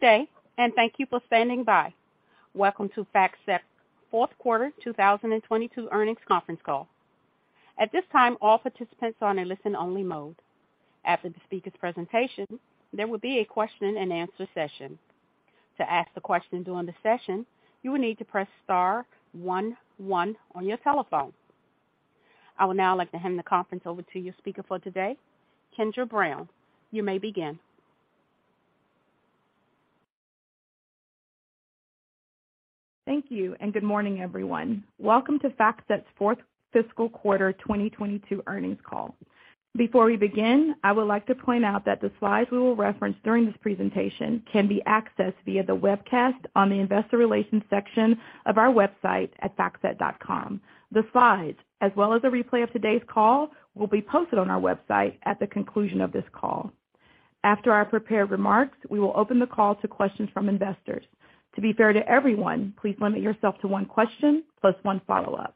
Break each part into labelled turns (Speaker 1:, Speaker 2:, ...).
Speaker 1: Good day, and thank you for standing by. Welcome to FactSet Fourth Quarter 2022 Earnings Conference Call. At this time, all participants are in listen only mode. After the speaker's presentation, there will be a question-and-answer session. To ask the question during the session, you will need to press star one one on your telephone. I would now like to hand the conference over to your speaker for today, Kendra Brown. You may begin.
Speaker 2: Thank you, and good morning, everyone. Welcome to FactSet's Fourth Fiscal Quarter 2022 Earnings Call. Before we begin, I would like to point out that the slides we will reference during this presentation can be accessed via the webcast on the Investor Relations section of our website at factset.com. The slides, as well as a replay of today's call, will be posted on our website at the conclusion of this call. After our prepared remarks, we will open the call to questions from investors. To be fair to everyone, please limit yourself to one question plus one follow-up.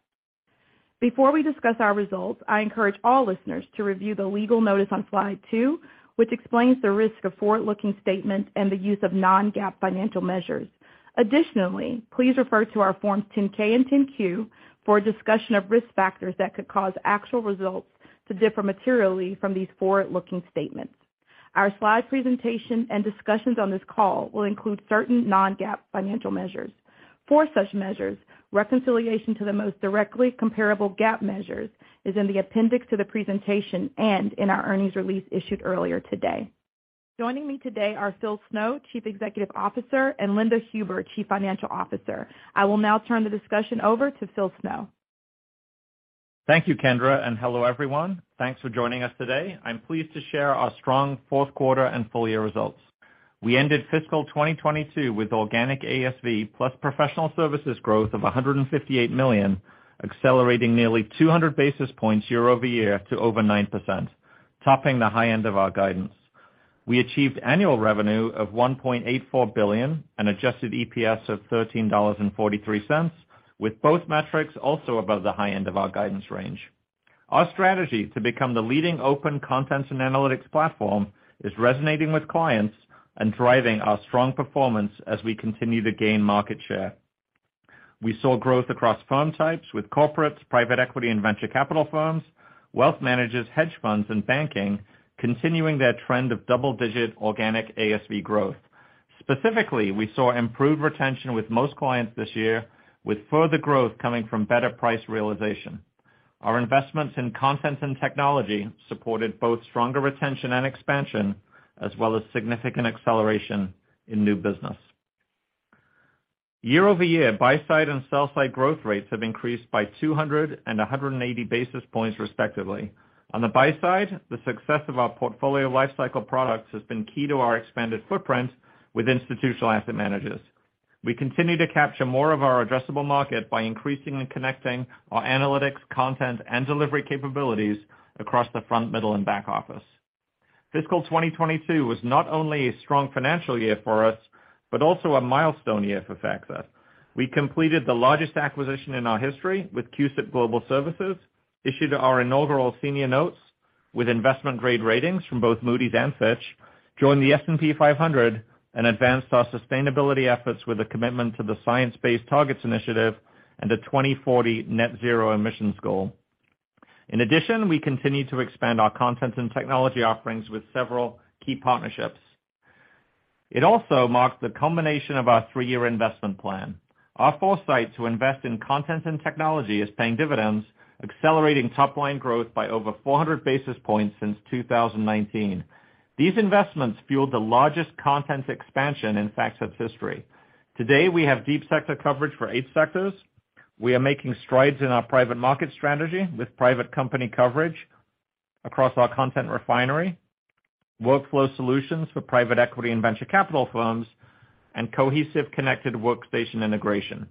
Speaker 2: Before we discuss our results, I encourage all listeners to review the legal notice on slide two, which explains the risk of forward-looking statements and the use of non-GAAP financial measures. Additionally, please refer to our forms 10-K and 10-Q for a discussion of risk factors that could cause actual results to differ materially from these forward-looking statements. Our slide presentation and discussions on this call will include certain non-GAAP financial measures. For such measures, reconciliation to the most directly comparable GAAP measures is in the appendix to the presentation and in our earnings release issued earlier today. Joining me today are Phil Snow, Chief Executive Officer, and Linda Huber, Chief Financial Officer. I will now turn the discussion over to Phil Snow.
Speaker 3: Thank you, Kendra, and hello everyone. Thanks for joining us today. I'm pleased to share our strong fourth quarter and full year results. We ended fiscal 2022 with organic ASV plus professional services growth of $158 million, accelerating nearly 200 basis points year-over-year to over 9%, topping the high end of our guidance. We achieved annual revenue of $1.84 billion and Adjusted EPS of $13.43, with both metrics also above the high end of our guidance range. Our strategy to become the leading open contents and analytics platform is resonating with clients and driving our strong performance as we continue to gain market share. We saw growth across firm types with corporates, private equity and venture capital firms, wealth managers, hedge funds and banking continuing their trend of double-digit organic ASV growth. Specifically, we saw improved retention with most clients this year, with further growth coming from better price realization. Our investments in content and technology supported both stronger retention and expansion, as well as significant acceleration in new business. Year-over-year, buy side and sell side growth rates have increased by 200 and 180 basis points respectively. On the buy side, the success of our portfolio lifecycle products has been key to our expanded footprint with institutional asset managers. We continue to capture more of our addressable market by increasingly connecting our analytics, content and delivery capabilities across the front, middle and back office. Fiscal 2022 was not only a strong financial year for us, but also a milestone year for FactSet. We completed the largest acquisition in our history with CUSIP Global Services, issued our inaugural senior notes with investment grade ratings from both Moody's and Fitch, joined the S&P 500, and advanced our sustainability efforts with a commitment to the Science Based Targets initiative and a 2040 net zero emissions goal. In addition, we continued to expand our content and technology offerings with several key partnerships. It also marks the culmination of our three-year investment plan. Our foresight to invest in content and technology is paying dividends, accelerating top line growth by over 400 basis points since 2019. These investments fueled the largest content expansion in FactSet's history. Today, we have deep sector coverage for eight sectors. We are making strides in our private market strategy with private company coverage across our content refinery, workflow solutions for private equity and venture capital firms, and cohesive connected workstation integration.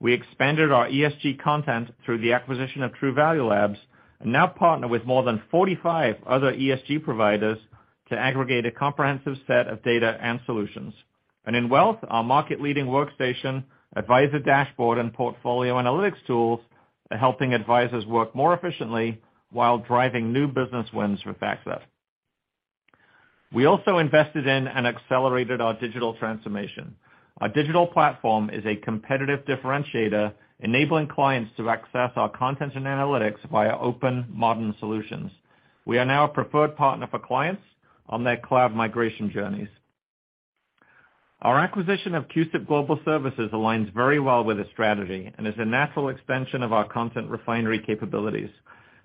Speaker 3: We expanded our ESG content through the acquisition of Truvalue Labs, and now partner with more than 45 other ESG providers to aggregate a comprehensive set of data and solutions. In wealth, our market-leading workstation, Advisor Dashboard and portfolio analytics tools are helping advisors work more efficiently while driving new business wins with FactSet. We also invested in and accelerated our digital transformation. Our digital platform is a competitive differentiator, enabling clients to access our content and analytics via open modern solutions. We are now a preferred partner for clients on their cloud migration journeys. Our acquisition of CUSIP Global Services aligns very well with the strategy and is a natural extension of our content refinery capabilities.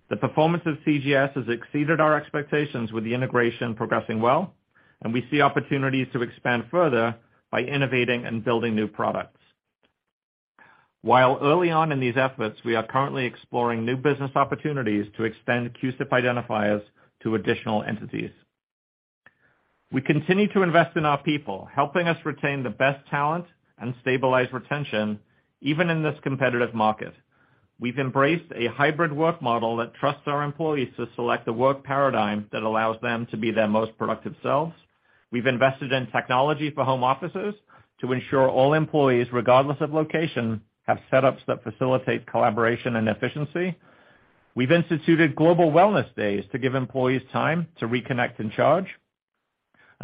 Speaker 3: The performance of CGS has exceeded our expectations with the integration progressing well, and we see opportunities to expand further by innovating and building new products. While early on in these efforts, we are currently exploring new business opportunities to extend CUSIP identifiers to additional entities. We continue to invest in our people, helping us retain the best talent and stabilize retention even in this competitive market. We've embraced a hybrid work model that trusts our employees to select the work paradigm that allows them to be their most productive selves. We've invested in technology for home offices to ensure all employees, regardless of location, have setups that facilitate collaboration and efficiency. We've instituted global wellness days to give employees time to reconnect and charge.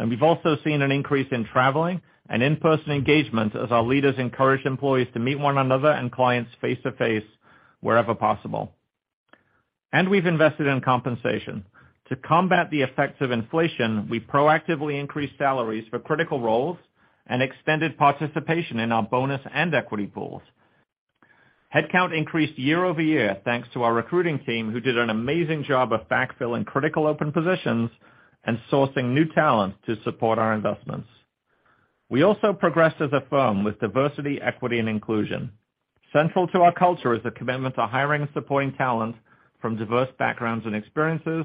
Speaker 3: We've also seen an increase in traveling and in-person engagement as our leaders encourage employees to meet one another and clients face-to-face wherever possible. We've invested in compensation. To combat the effects of inflation, we proactively increased salaries for critical roles and extended participation in our bonus and equity pools. Headcount increased year-over-year, thanks to our recruiting team, who did an amazing job of backfilling critical open positions and sourcing new talent to support our investments. We also progressed as a firm with diversity, equity, and inclusion. Central to our culture is a commitment to hiring and supporting talent from diverse backgrounds and experiences.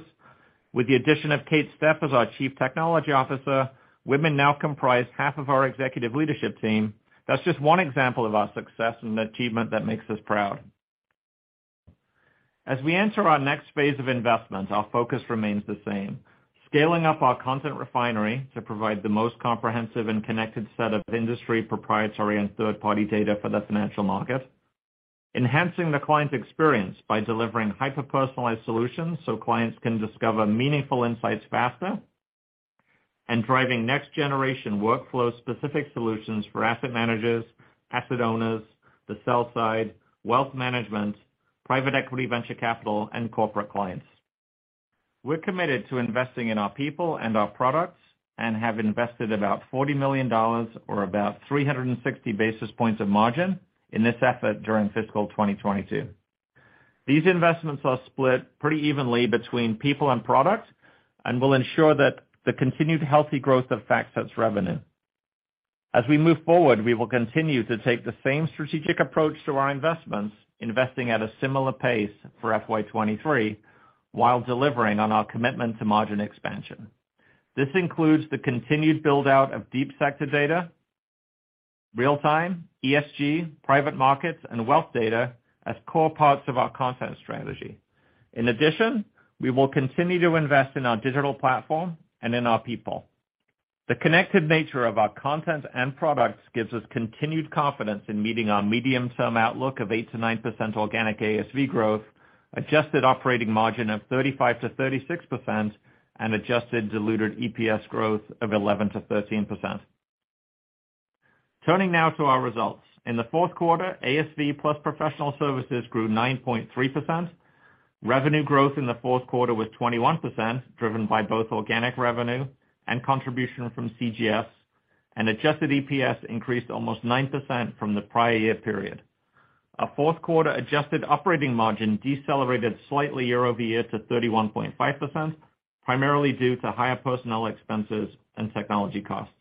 Speaker 3: With the addition of Kate Stepp as our Chief Technology Officer, women now comprise half of our executive leadership team. That's just one example of our success and achievement that makes us proud. As we enter our next phase of investment, our focus remains the same. Scaling up our content refinery to provide the most comprehensive and connected set of industry proprietary and third-party data for the financial market. Enhancing the client experience by delivering hyper-personalized solutions so clients can discover meaningful insights faster. Driving next-generation workflow-specific solutions for asset managers, asset owners, the sell side, wealth management, private equity venture capital, and corporate clients. We're committed to investing in our people and our products, and have invested about $40 million or about 360 basis points of margin in this effort during fiscal 2022. These investments are split pretty evenly between people and product and will ensure that the continued healthy growth affects our revenue. As we move forward, we will continue to take the same strategic approach to our investments, investing at a similar pace for FY 2023 while delivering on our commitment to margin expansion. This includes the continued build-out of deep sector data, real-time, ESG, private markets, and wealth data as core parts of our content strategy. In addition, we will continue to invest in our digital platform and in our people. The connected nature of our content and products gives us continued confidence in meeting our medium-term outlook of 8%-9% organic ASV growth, adjusted operating margin of 35%-36%, and adjusted diluted EPS growth of 11%-13%. Turning now to our results. In the fourth quarter, ASV plus professional services grew 9.3%. Revenue growth in the fourth quarter was 21%, driven by both organic revenue and contribution from CGS. Adjusted EPS increased almost 9% from the prior year period. Our fourth quarter adjusted operating margin decelerated slightly year-over-year to 31.5%, primarily due to higher personnel expenses and technology costs.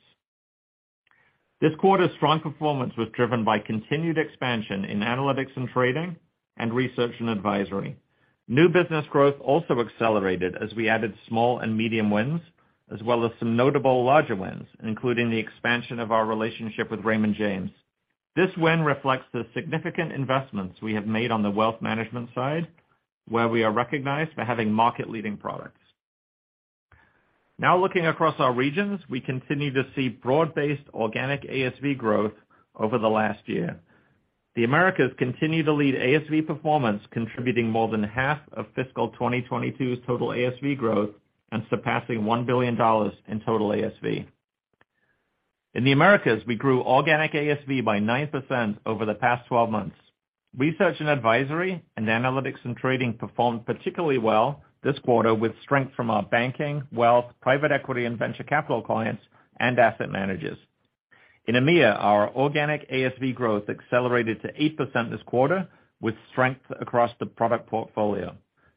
Speaker 3: This quarter's strong performance was driven by continued expansion in analytics and trading and research and advisory. New business growth also accelerated as we added small and medium wins, as well as some notable larger wins, including the expansion of our relationship with Raymond James. This win reflects the significant investments we have made on the wealth management side, where we are recognized for having market-leading products. Now looking across our regions, we continue to see broad-based organic ASV growth over the last year. The Americas continue to lead ASV performance, contributing more than half of fiscal 2022's total ASV growth and surpassing $1 billion in total ASV. In the Americas, we grew organic ASV by 9% over the past 12 months. Research and advisory and analytics and trading performed particularly well this quarter with strength from our banking, wealth, private equity, and venture capital clients and asset managers. In EMEA, our organic ASV growth accelerated to 8% this quarter with strength across the product portfolio.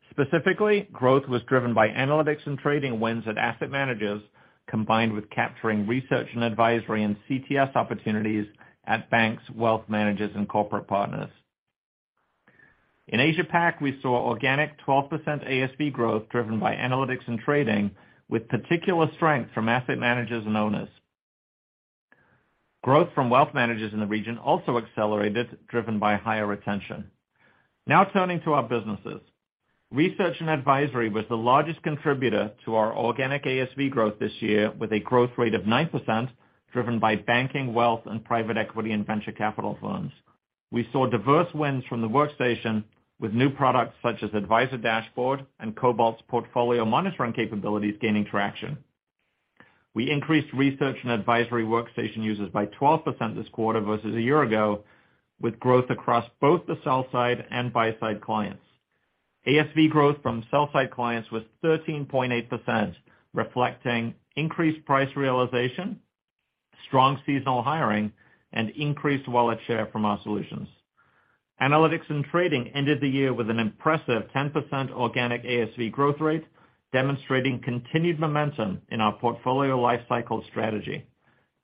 Speaker 3: Specifically, growth was driven by analytics and trading wins at asset managers, combined with capturing research and advisory and CTS opportunities at banks, wealth managers, and corporate partners. In Asia PAC, we saw organic 12% ASV growth driven by analytics and trading with particular strength from asset managers and owners. Growth from wealth managers in the region also accelerated, driven by higher retention. Now turning to our businesses. Research and advisory was the largest contributor to our organic ASV growth this year with a growth rate of 9% driven by banking, wealth, and private equity and venture capital firms. We saw diverse wins from the workstation with new products such as Advisor Dashboard and Cobalt's portfolio monitoring capabilities gaining traction. We increased research and advisory workstation users by 12% this quarter versus a year ago, with growth across both the sell side and buy side clients. ASV growth from sell side clients was 13.8%, reflecting increased price realization, strong seasonal hiring, and increased wallet share from our solutions. Analytics and trading ended the year with an impressive 10% organic ASV growth rate, demonstrating continued momentum in our portfolio lifecycle strategy.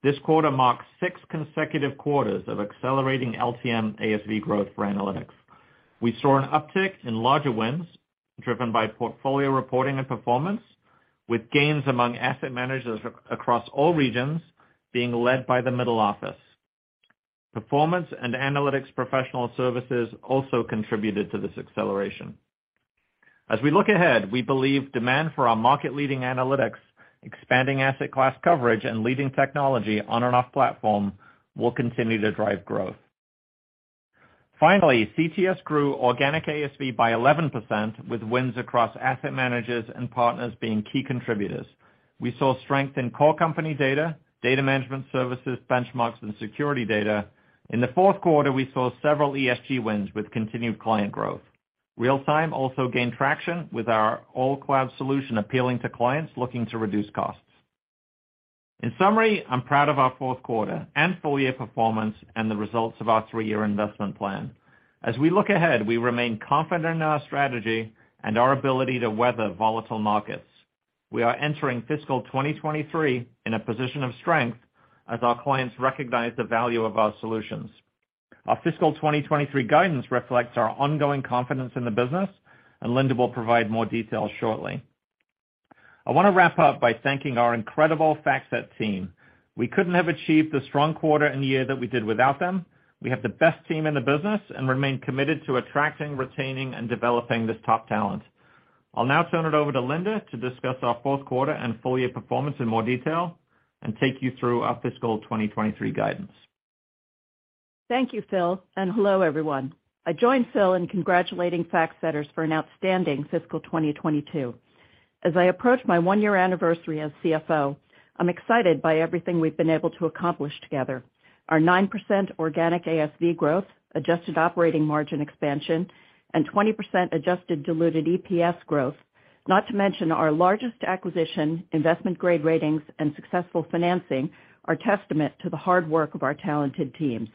Speaker 3: This quarter marks six consecutive quarters of accelerating LTM ASV growth for analytics. We saw an uptick in larger wins driven by portfolio reporting and performance, with gains among asset managers across all regions being led by the middle office. Performance and analytics professional services also contributed to this acceleration. As we look ahead, we believe demand for our market-leading analytics, expanding asset class coverage, and leading technology on and off platform will continue to drive growth. Finally, CTS grew organic ASV by 11% with wins across asset managers and partners being key contributors. We saw strength in core company data management services, benchmarks, and security data. In the fourth quarter, we saw several ESG wins with continued client growth. Real-time also gained traction with our all-cloud solution appealing to clients looking to reduce costs. In summary, I'm proud of our fourth quarter and full-year performance and the results of our three-year investment plan. As we look ahead, we remain confident in our strategy and our ability to weather volatile markets. We are entering fiscal 2023 in a position of strength as our clients recognize the value of our solutions. Our fiscal 2023 guidance reflects our ongoing confidence in the business, and Linda will provide more details shortly. I wanna wrap up by thanking our incredible FactSet team. We couldn't have achieved the strong quarter and the year that we did without them. We have the best team in the business and remain committed to attracting, retaining, and developing this top talent. I'll now turn it over to Linda to discuss our fourth quarter and full-year performance in more detail and take you through our fiscal 2023 guidance.
Speaker 4: Thank you, Phil, and hello, everyone. I join Phil in congratulating FactSetters for an outstanding fiscal 2022. As I approach my one-year anniversary as CFO, I'm excited by everything we've been able to accomplish together. Our 9% organic ASV growth, adjusted operating margin expansion, and 20% adjusted diluted EPS growth. Not to mention our largest acquisition, investment-grade ratings, and successful financing are testament to the hard work of our talented teams.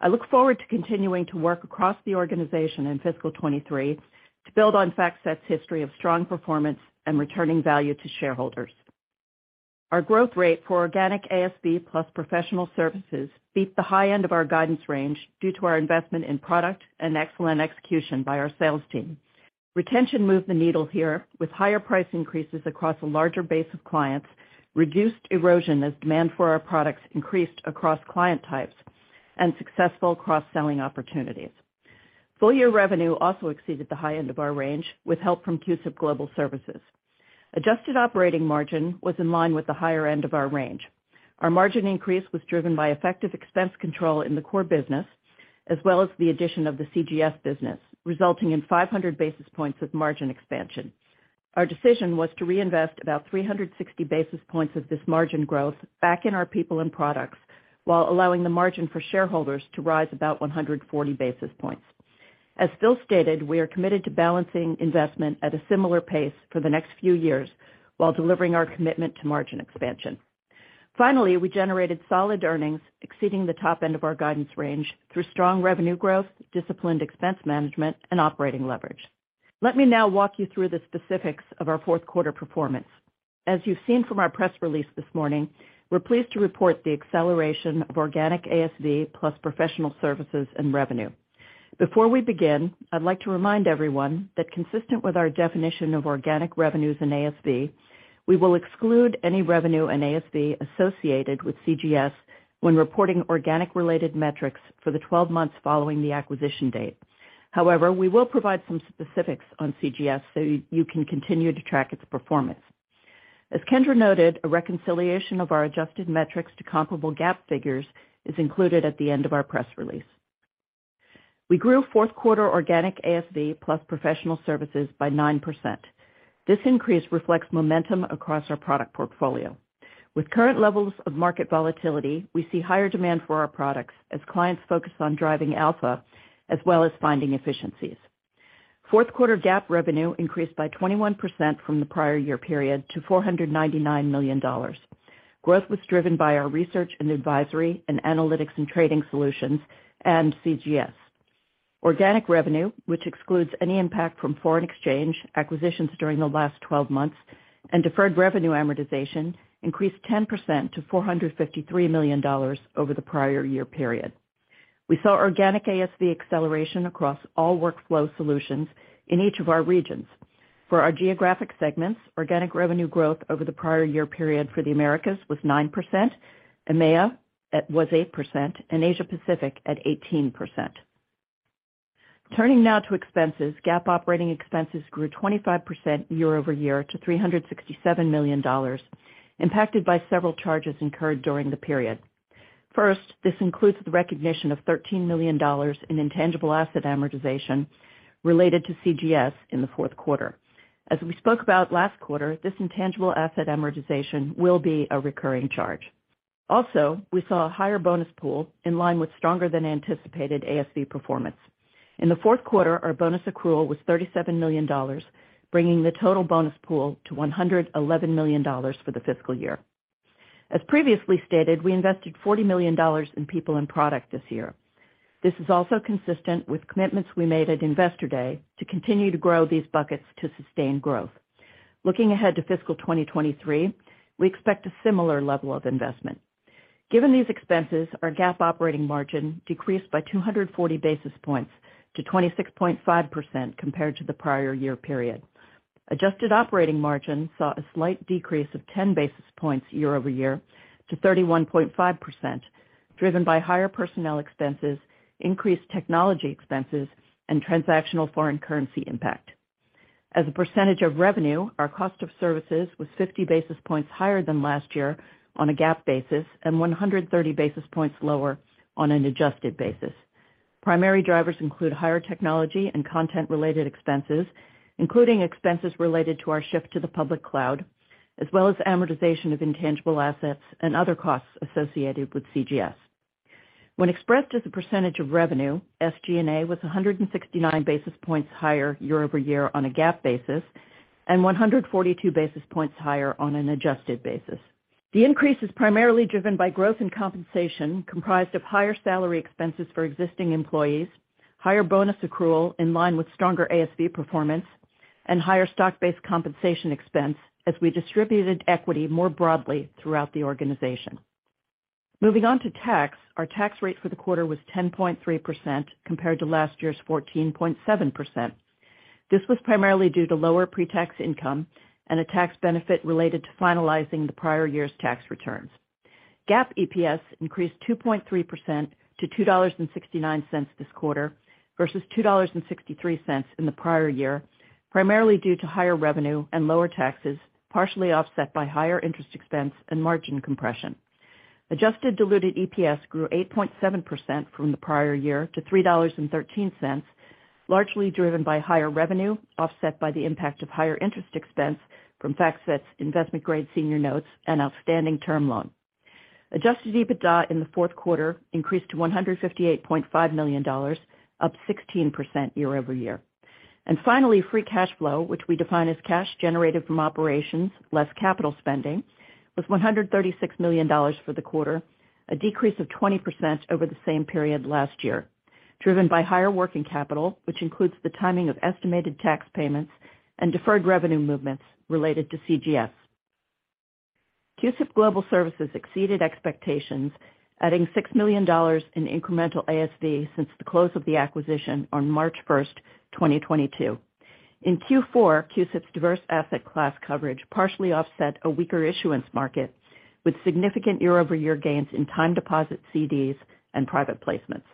Speaker 4: I look forward to continuing to work across the organization in fiscal 2023 to build on FactSet's history of strong performance and returning value to shareholders. Our growth rate for organic ASV plus professional services beat the high end of our guidance range due to our investment in product and excellent execution by our sales team. Retention moved the needle here with higher price increases across a larger base of clients, reduced erosion as demand for our products increased across client types, and successful cross-selling opportunities. Full-year revenue also exceeded the high end of our range with help from CUSIP Global Services. Adjusted operating margin was in line with the higher end of our range. Our margin increase was driven by effective expense control in the core business, as well as the addition of the CGS business, resulting in 500 basis points of margin expansion. Our decision was to reinvest about 360 basis points of this margin growth back in our people and products while allowing the margin for shareholders to rise about 140 basis points. As Phil stated, we are committed to balancing investment at a similar pace for the next few years while delivering our commitment to margin expansion. Finally, we generated solid earnings exceeding the top end of our guidance range through strong revenue growth, disciplined expense management, and operating leverage. Let me now walk you through the specifics of our fourth quarter performance. As you've seen from our press release this morning, we're pleased to report the acceleration of organic ASV plus professional services and revenue. Before we begin, I'd like to remind everyone that consistent with our definition of organic revenues in ASV, we will exclude any revenue in ASV associated with CGS when reporting organic-related metrics for the 12 months following the acquisition date. However, we will provide some specifics on CGS so you can continue to track its performance. As Kendra noted, a reconciliation of our adjusted metrics to comparable GAAP figures is included at the end of our press release. We grew fourth quarter organic ASV plus professional services by 9%. This increase reflects momentum across our product portfolio. With current levels of market volatility, we see higher demand for our products as clients focus on driving alpha as well as finding efficiencies. Fourth quarter GAAP revenue increased by 21% from the prior year period to $499 million. Growth was driven by our research and advisory and analytics and trading solutions and CGS. Organic revenue, which excludes any impact from foreign exchange, acquisitions during the last 12 months, and deferred revenue amortization, increased 10% to $453 million over the prior year period. We saw organic ASV acceleration across all workflow solutions in each of our regions. For our geographic segments, organic revenue growth over the prior year period for the Americas was 9%, EMEA was 8%, and Asia Pacific at 18%. Turning now to expenses, GAAP operating expenses grew 25% year-over-year to $367 million, impacted by several charges incurred during the period. First, this includes the recognition of $13 million in intangible asset amortization related to CGS in the fourth quarter. As we spoke about last quarter, this intangible asset amortization will be a recurring charge. Also, we saw a higher bonus pool in line with stronger than anticipated ASV performance. In the fourth quarter, our bonus accrual was $37 million, bringing the total bonus pool to $111 million for the fiscal year. As previously stated, we invested $40 million in people and product this year. This is also consistent with commitments we made at Investor Day to continue to grow these buckets to sustain growth. Looking ahead to fiscal 2023, we expect a similar level of investment. Given these expenses, our GAAP operating margin decreased by 240 basis points to 26.5% compared to the prior year period. Adjusted operating margin saw a slight decrease of 10 basis points year-over-year to 31.5%, driven by higher personnel expenses, increased technology expenses, and transactional foreign currency impact. As a percentage of revenue, our cost of services was 50 basis points higher than last year on a GAAP basis and 130 basis points lower on an adjusted basis. Primary drivers include higher technology and content-related expenses, including expenses related to our shift to the public cloud, as well as amortization of intangible assets and other costs associated with CGS. When expressed as a percentage of revenue, SG&A was 169 basis points higher year-over-year on a GAAP basis, and 142 basis points higher on an adjusted basis. The increase is primarily driven by growth in compensation comprised of higher salary expenses for existing employees, higher bonus accrual in line with stronger ASV performance, and higher stock-based compensation expense as we distributed equity more broadly throughout the organization. Moving on to tax. Our tax rate for the quarter was 10.3% compared to last year's 14.7%. This was primarily due to lower pre-tax income and a tax benefit related to finalizing the prior year's tax returns. GAAP EPS increased 2.3% to $2.69 this quarter versus $2.63 in the prior year, primarily due to higher revenue and lower taxes, partially offset by higher interest expense and margin compression. Adjusted diluted EPS grew 8.7% from the prior year to $3.13, largely driven by higher revenue, offset by the impact of higher interest expense from FactSet's investment-grade senior notes and outstanding term loan. Adjusted EBITDA in the fourth quarter increased to $158.5 million, up 16% year-over-year. Finally, free cash flow, which we define as cash generated from operations less capital spending, was $136 million for the quarter, a decrease of 20% over the same period last year, driven by higher working capital, which includes the timing of estimated tax payments and deferred revenue movements related to CGS. CUSIP Global Services exceeded expectations, adding $6 million in incremental ASV since the close of the acquisition on March 1st, 2022. In Q4, CUSIP's diverse asset class coverage partially offset a weaker issuance market, with significant year-over-year gains in time deposit CDs and private placements.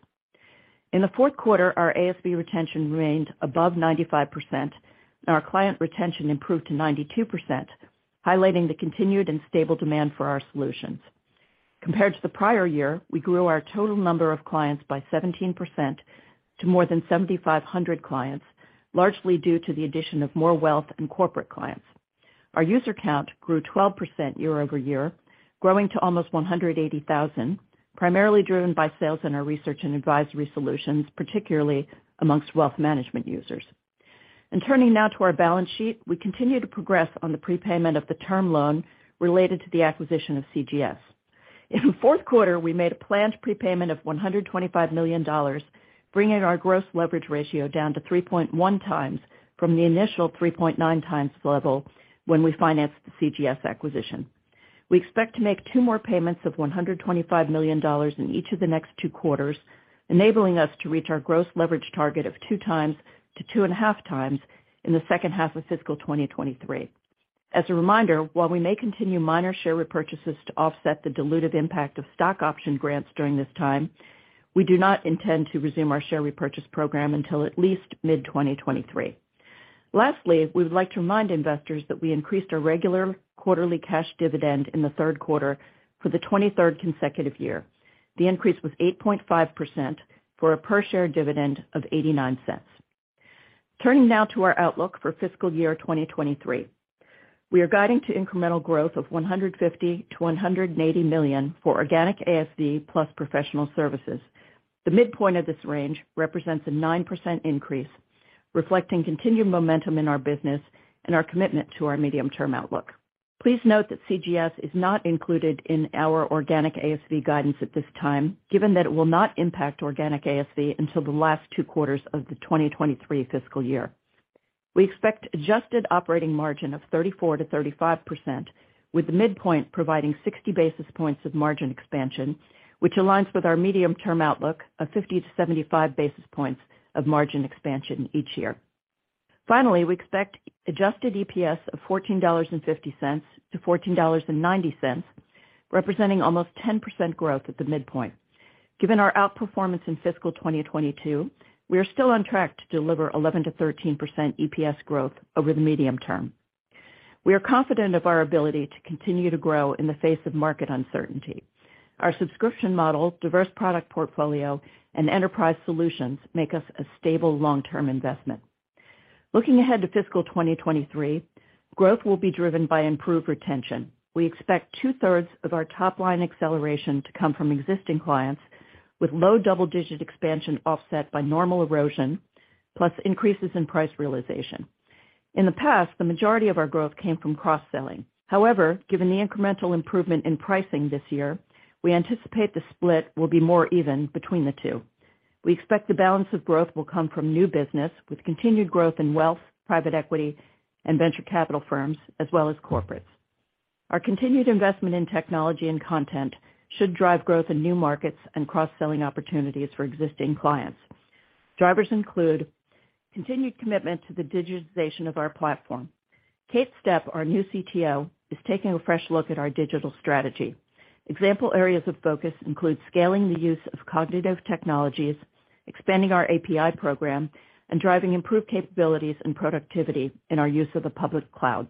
Speaker 4: In the fourth quarter, our ASV retention remained above 95%, and our client retention improved to 92%, highlighting the continued and stable demand for our solutions. Compared to the prior year, we grew our total number of clients by 17% to more than 7,500 clients, largely due to the addition of more wealth and corporate clients. Our user count grew 12% year-over-year, growing to almost 180,000, primarily driven by sales in our research and advisory solutions, particularly amongst wealth management users. Turning now to our balance sheet. We continue to progress on the prepayment of the term loan related to the acquisition of CGS. In the fourth quarter, we made a planned prepayment of $125 million, bringing our gross leverage ratio down to 3.1x from the initial 3.9x level when we financed the CGS acquisition. We expect to make two more payments of $125 million in each of the next two quarters, enabling us to reach our gross leverage target of 2.0x-2.5x in the second half of fiscal 2023. As a reminder, while we may continue minor share repurchases to offset the dilutive impact of stock option grants during this time, we do not intend to resume our share repurchase program until at least mid-2023. Lastly, we would like to remind investors that we increased our regular quarterly cash dividend in the third quarter for the 23rd consecutive year. The increase was 8.5% for a per share dividend of $0.89. Turning now to our outlook for fiscal year 2023. We are guiding to incremental growth of $150 million-$180 million for organic ASV plus professional services. The midpoint of this range represents a 9% increase, reflecting continued momentum in our business and our commitment to our medium-term outlook. Please note that CGS is not included in our organic ASV guidance at this time, given that it will not impact organic ASV until the last two quarters of the 2023 fiscal year. We expect adjusted operating margin of 34%-35%, with the midpoint providing 60 basis points of margin expansion, which aligns with our medium-term outlook of 50-75 basis points of margin expansion each year. Finally, we expect Adjusted EPS of $14.50-$14.90, representing almost 10% growth at the midpoint. Given our outperformance in fiscal 2022, we are still on track to deliver 11%-13% EPS growth over the medium term. We are confident of our ability to continue to grow in the face of market uncertainty. Our subscription model, diverse product portfolio, and enterprise solutions make us a stable long-term investment. Looking ahead to fiscal 2023, growth will be driven by improved retention. We expect 2/3 of our top-line acceleration to come from existing clients, with low double-digit expansion offset by normal erosion, plus increases in price realization. In the past, the majority of our growth came from cross-selling. However, given the incremental improvement in pricing this year, we anticipate the split will be more even between the two. We expect the balance of growth will come from new business, with continued growth in wealth, private equity, and venture capital firms, as well as corporates. Our continued investment in technology and content should drive growth in new markets and cross-selling opportunities for existing clients. Drivers include continued commitment to the digitization of our platform. Kate Stepp, our new CTO, is taking a fresh look at our digital strategy. Example areas of focus include scaling the use of cognitive technologies, expanding our API program, and driving improved capabilities and productivity in our use of the public cloud.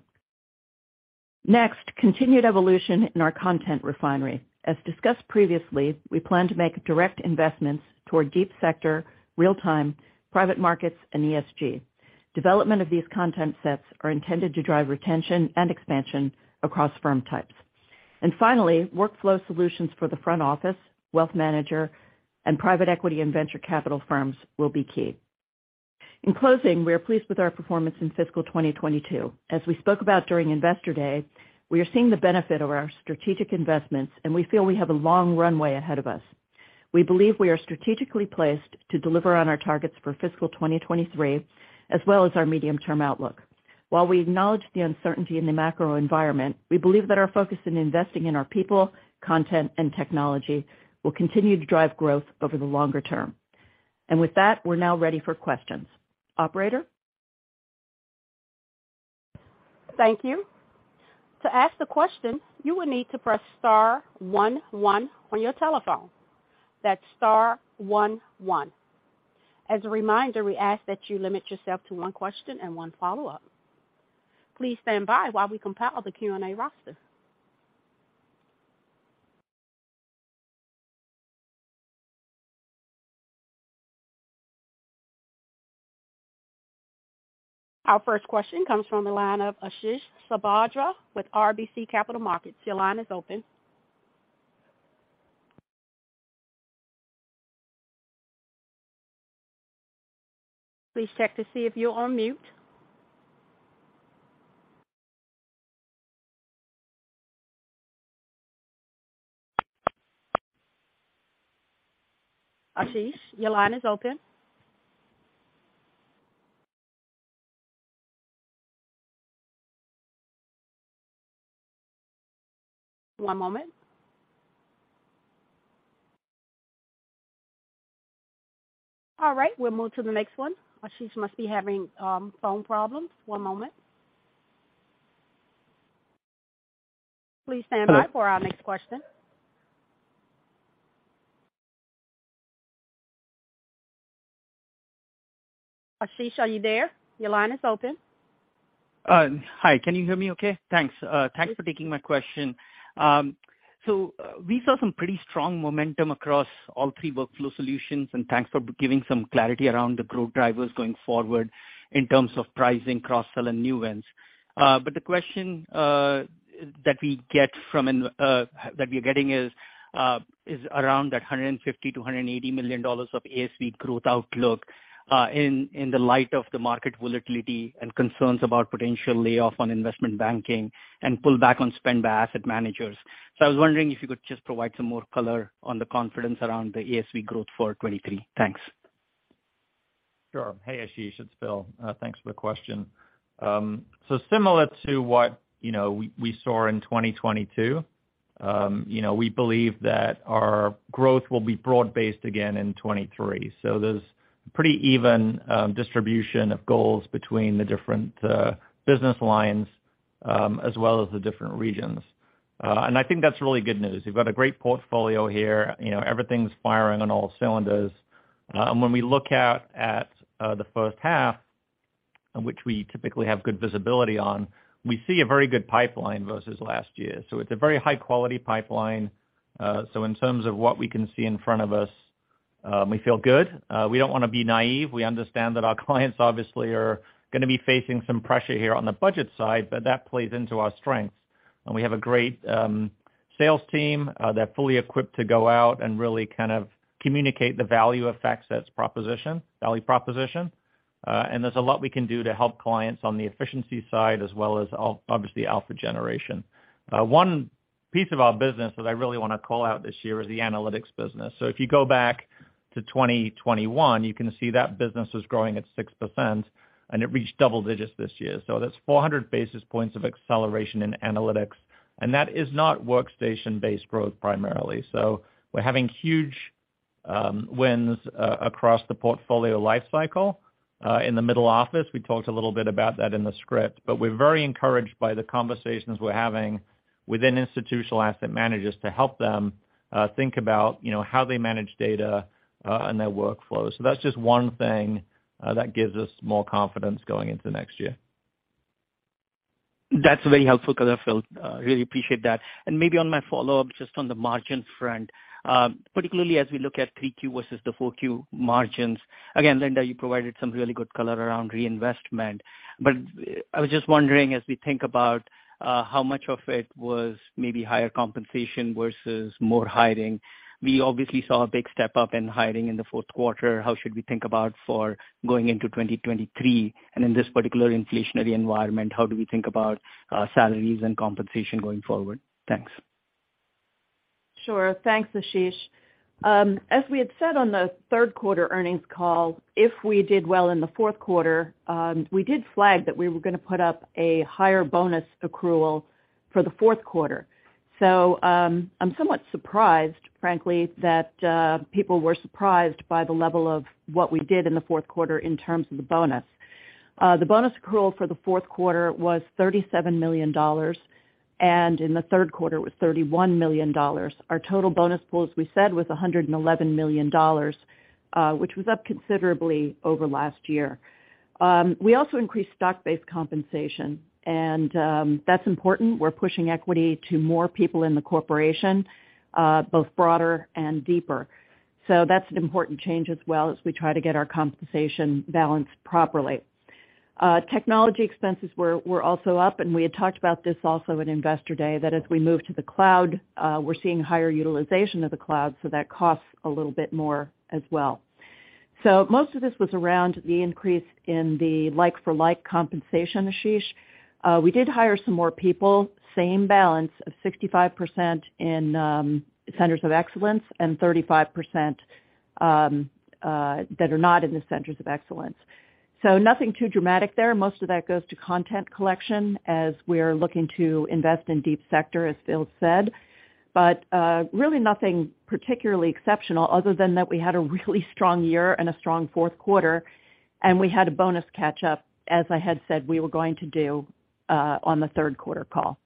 Speaker 4: Next, continued evolution in our content refinery. As discussed previously, we plan to make direct investments toward deep sector, real-time, private markets, and ESG. Development of these content sets are intended to drive retention and expansion across firm types. Finally, workflow solutions for the front office, wealth manager, and private equity and venture capital firms will be key. In closing, we are pleased with our performance in fiscal 2022. As we spoke about during Investor Day, we are seeing the benefit of our strategic investments, and we feel we have a long runway ahead of us. We believe we are strategically placed to deliver on our targets for fiscal 2023, as well as our medium-term outlook. While we acknowledge the uncertainty in the macro environment, we believe that our focus in investing in our people, content, and technology will continue to drive growth over the longer term. With that, we're now ready for questions. Operator?
Speaker 1: Thank you. To ask the question, you will need to press star one one on your telephone. That's star one one. As a reminder, we ask that you limit yourself to one question and one follow-up. Please stand by while we compile the Q&A roster. Our first question comes from the line of Ashish Sabadra with RBC Capital Markets. Your line is open. Please check to see if you're on mute. Ashish, your line is open. One moment. All right, we'll move to the next one. Ashish must be having phone problems. One moment. Please stand by for our next question. Ashish, are you there? Your line is open.
Speaker 5: Hi, can you hear me okay? Thanks. Thanks for taking my question. So we saw some pretty strong momentum across all three workflow solutions, and thanks for giving some clarity around the growth drivers going forward in terms of pricing, cross-sell, and new wins. But the question that we're getting is around that $150 million-$180 million of ASV growth outlook, in the light of the market volatility and concerns about potential layoff on investment banking and pull back on spend by asset managers. I was wondering if you could just provide some more color on the confidence around the ASV growth for 2023. Thanks.
Speaker 3: Sure. Hey, Ashish, it's Phil. Thanks for the question. Similar to what you know we saw in 2022, you know, we believe that our growth will be broad-based again in 2023. There's pretty even distribution of goals between the different business lines as well as the different regions. I think that's really good news. We've got a great portfolio here. You know, everything's firing on all cylinders. When we look out at the first half, which we typically have good visibility on, we see a very good pipeline versus last year. It's a very high-quality pipeline. In terms of what we can see in front of us, we feel good. We don't wanna be naive. We understand that our clients obviously are gonna be facing some pressure here on the budget side, but that plays into our strengths. We have a great sales team, they're fully equipped to go out and really kind of communicate the value of FactSet's proposition, value proposition. There's a lot we can do to help clients on the efficiency side as well as obviously, alpha generation. One piece of our business that I really wanna call out this year is the analytics business. If you go back to 2021, you can see that business was growing at 6%, and it reached double digits this year. That's 400 basis points of acceleration in analytics, and that is not workstation-based growth primarily. We're having huge wins across the portfolio life cycle. In the middle office, we talked a little bit about that in the script, but we're very encouraged by the conversations we're having within institutional asset managers to help them think about, you know, how they manage data and their workflows. That's just one thing that gives us more confidence going into next year.
Speaker 5: That's very helpful color, Phil. Really appreciate that. Maybe on my follow-up, just on the margin front, particularly as we look at 3Q versus the 4Q margins. Again, Linda, you provided some really good color around reinvestment, but I was just wondering, as we think about how much of it was maybe higher compensation versus more hiring. We obviously saw a big step up in hiring in the fourth quarter. How should we think about for going into 2023? In this particular inflationary environment, how do we think about salaries and compensation going forward? Thanks.
Speaker 4: Sure. Thanks, Ashish. As we had said on the third quarter earnings call, if we did well in the fourth quarter, we did flag that we were gonna put up a higher bonus accrual for the fourth quarter. I'm somewhat surprised, frankly, that people were surprised by the level of what we did in the fourth quarter in terms of the bonus. The bonus accrual for the fourth quarter was $37 million, and in the third quarter it was $31 million. Our total bonus pool, as we said, was $111 million, which was up considerably over last year. We also increased stock-based compensation and that's important. We're pushing equity to more people in the corporation, both broader and deeper. That's an important change as well as we try to get our compensation balanced properly. Technology expenses were also up, and we had talked about this also in Investor Day, that as we move to the cloud, we're seeing higher utilization of the cloud, so that costs a little bit more as well. Most of this was around the increase in the like-for-like compensation, Ashish. We did hire some more people, same balance of 65% in centers of excellence and 35%, that are not in the centers of excellence. Nothing too dramatic there. Most of that goes to content collection as we're looking to invest in deep sector, as Phil said. Really nothing particularly exceptional other than that we had a really strong year and a strong fourth quarter, and we had a bonus catch up, as I had said we were going to do, on the third quarter call.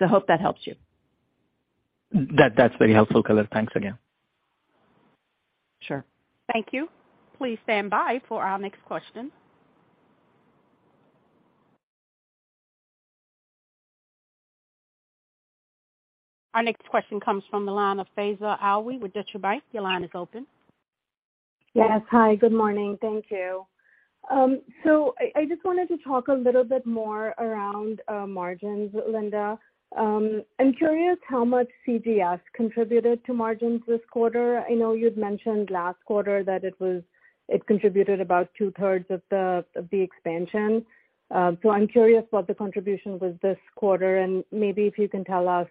Speaker 4: hope that helps you.
Speaker 5: That's very helpful color. Thanks again.
Speaker 4: Sure.
Speaker 1: Thank you. Please stand by for our next question. Our next question comes from the line of Faiza Alwy with Deutsche Bank. Your line is open.
Speaker 6: Yes. Hi, good morning. Thank you. I just wanted to talk a little bit more around margins, Linda. I'm curious how much CGS contributed to margins this quarter. I know you'd mentioned last quarter that it contributed about 2/3 of the expansion. I'm curious what the contribution was this quarter, and maybe if you can tell us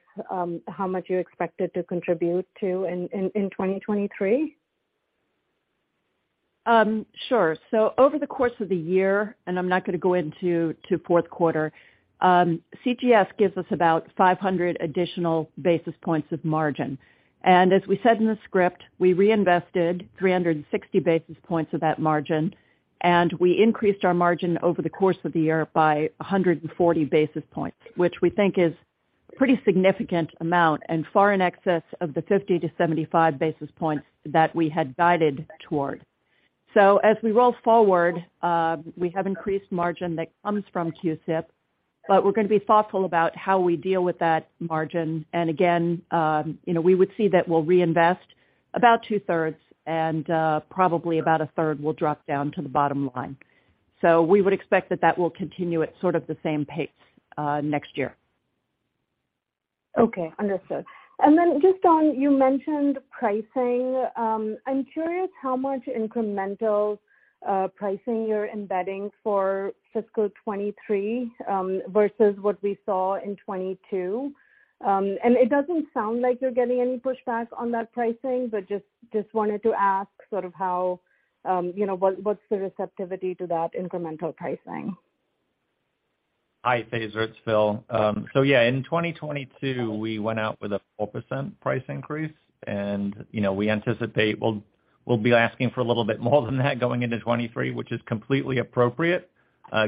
Speaker 6: how much you expect it to contribute to in 2023.
Speaker 4: Over the course of the year, and I'm not gonna go into the fourth quarter, CGS gives us about 500 additional basis points of margin. As we said in the script, we reinvested 360 basis points of that margin, and we increased our margin over the course of the year by 140 basis points, which we think is pretty significant amount and far in excess of the 50-75 basis points that we had guided toward. As we roll forward, we have increased margin that comes from CUSIP, but we're gonna be thoughtful about how we deal with that margin. Again, you know, we would see that we'll reinvest about 2/3 and probably about a third will drop down to the bottom line. We would expect that will continue at sort of the same pace, next year.
Speaker 6: Okay. Understood. Just on, you mentioned pricing. I'm curious how much incremental pricing you're embedding for fiscal 2023 versus what we saw in 2022. It doesn't sound like you're getting any pushback on that pricing, but just wanted to ask sort of how, you know, what's the receptivity to that incremental pricing?
Speaker 3: Hi, Faiza. It's Phil. In 2022, we went out with a 4% price increase. You know, we anticipate we'll be asking for a little bit more than that going into 2023, which is completely appropriate,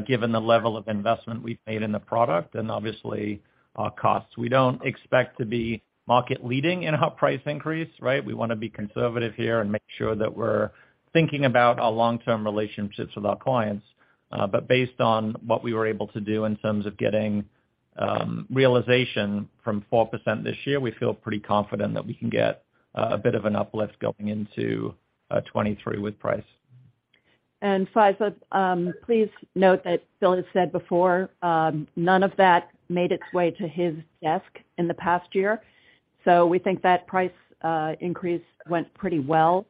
Speaker 3: given the level of investment we've made in the product and obviously our costs. We don't expect to be market leading in our price increase, right? We wanna be conservative here and make sure that we're thinking about our long-term relationships with our clients. Based on what we were able to do in terms of getting realization from 4% this year, we feel pretty confident that we can get a bit of an uplift going into 2023 with price.
Speaker 4: Faiza, please note that Phil has said before, none of that made its way to his desk in the past year. We think that price increase went pretty well.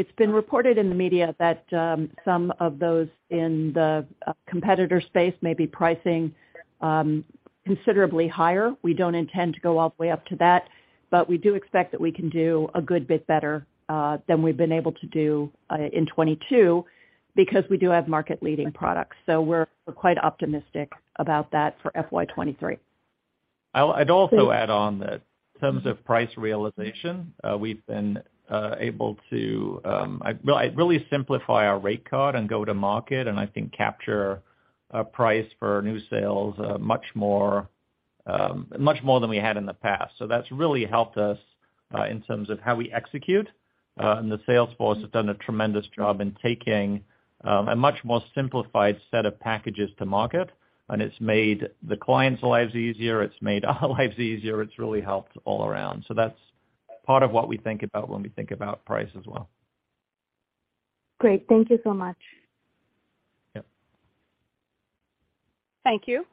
Speaker 4: It's been reported in the media that some of those in the competitor space may be pricing considerably higher. We don't intend to go all the way up to that, but we do expect that we can do a good bit better than we've been able to do in 2022 because we do have market leading products. We're quite optimistic about that for FY 2023.
Speaker 3: I'd also add on that in terms of price realization, we've been able to really simplify our rate card and go to market and I think capture a price for new sales, much more than we had in the past. That's really helped us in terms of how we execute, and the sales force has done a tremendous job in taking a much more simplified set of packages to market, and it's made the clients' lives easier. It's made our lives easier. It's really helped all around. That's part of what we think about when we think about price as well.
Speaker 6: Great. Thank you so much.
Speaker 3: Yep.
Speaker 1: Thank you.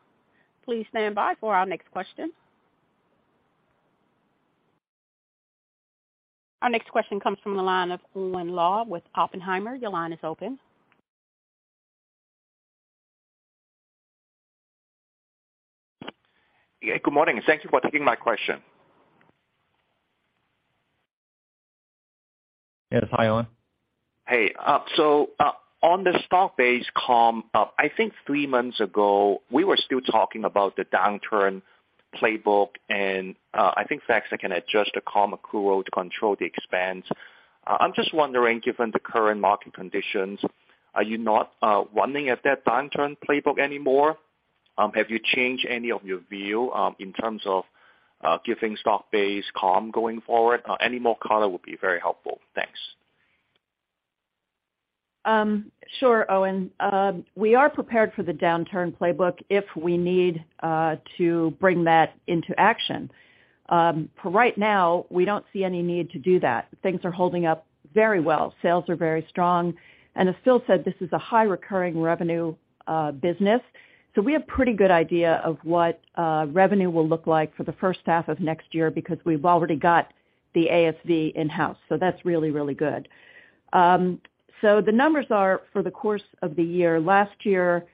Speaker 1: Please stand by for our next question. Our next question comes from the line of Owen Lau with Oppenheimer. Your line is open.
Speaker 7: Yeah, good morning. Thank you for taking my question.
Speaker 3: Yes. Hi, Owen.
Speaker 7: Hey, on the stock-based comp, I think three months ago, we were still talking about the downturn playbook and I think FactSet can adjust the comp accrual to control the expense. I'm just wondering, given the current market conditions, are you not running at that downturn playbook anymore? Have you changed any of your view in terms of giving stock-based comp going forward? Any more color would be very helpful. Thanks.
Speaker 4: Sure, Owen. We are prepared for the downturn playbook if we need to bring that into action. For right now, we don't see any need to do that. Things are holding up very well. Sales are very strong, and as Phil said, this is a high recurring revenue business. We have pretty good idea of what revenue will look like for the first half of next year because we've already got the ASV in-house. That's really, really good. The numbers are for the course of the year. Last year,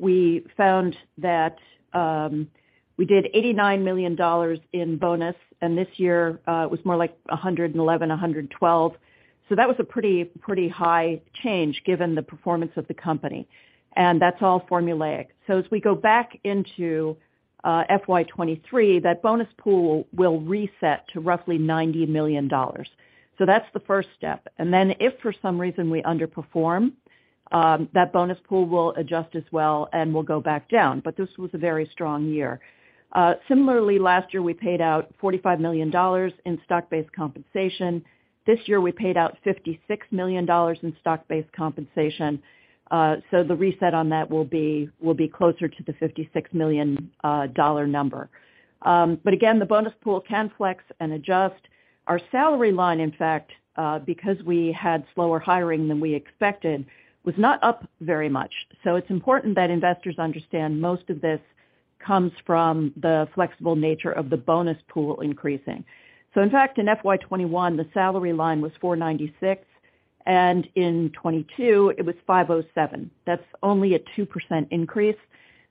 Speaker 4: we found that we did $89 million in bonus, and this year it was more like $111 million, $112 million. That was a pretty high change given the performance of the company. That's all formulaic. As we go back into FY 2023, that bonus pool will reset to roughly $90 million. That's the first step. If for some reason we underperform, that bonus pool will adjust as well and will go back down. This was a very strong year. Similarly, last year, we paid out $45 million in stock-based compensation. This year, we paid out $56 million in stock-based compensation. The reset on that will be closer to the $56 million number. Again, the bonus pool can flex and adjust. Our salary line, in fact, because we had slower hiring than we expected, was not up very much. It's important that investors understand most of this comes from the flexible nature of the bonus pool increasing. In fact, in FY 2021, the salary line was $496 million, and in 2022, it was $507 million. That's only a 2% increase.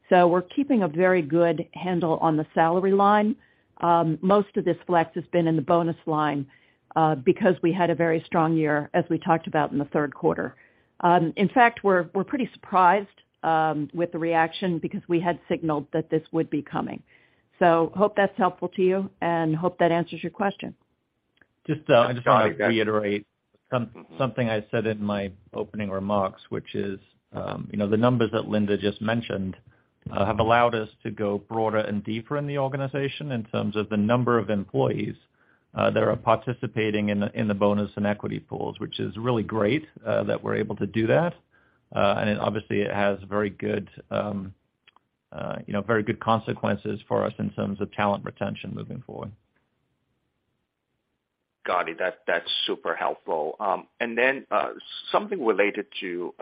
Speaker 4: We're keeping a very good handle on the salary line. Most of this flex has been in the bonus line, because we had a very strong year, as we talked about in the third quarter. In fact, we're pretty surprised with the reaction because we had signaled that this would be coming. Hope that's helpful to you and hope that answers your question.
Speaker 3: Just, I just wanna reiterate something I said in my opening remarks, which is, you know, the numbers that Linda just mentioned have allowed us to go broader and deeper in the organization in terms of the number of employees that are participating in the bonus and equity pools, which is really great that we're able to do that. Obviously, it has very good consequences for us in terms of talent retention moving forward.
Speaker 7: Got it. That's super helpful. Then something related to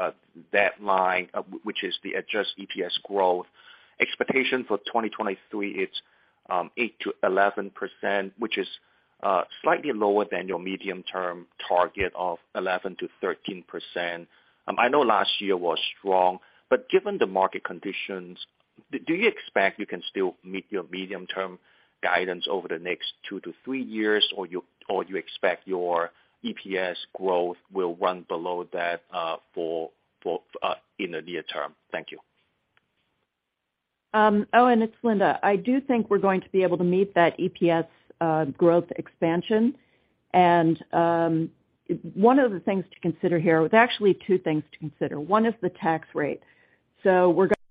Speaker 7: that line, which is the Adjusted EPS growth expectation for 2023, it's 8%-11%, which is slightly lower than your medium-term target of 11%-13%. I know last year was strong, but given the market conditions, do you expect you can still meet your medium-term guidance over the next two-three years, or you expect your EPS growth will run below that in the near term? Thank you.
Speaker 4: Owen, it's Linda. I do think we're going to be able to meet that EPS growth expansion. One of the things to consider here. There's actually two things to consider. One is the tax rate. We're guiding to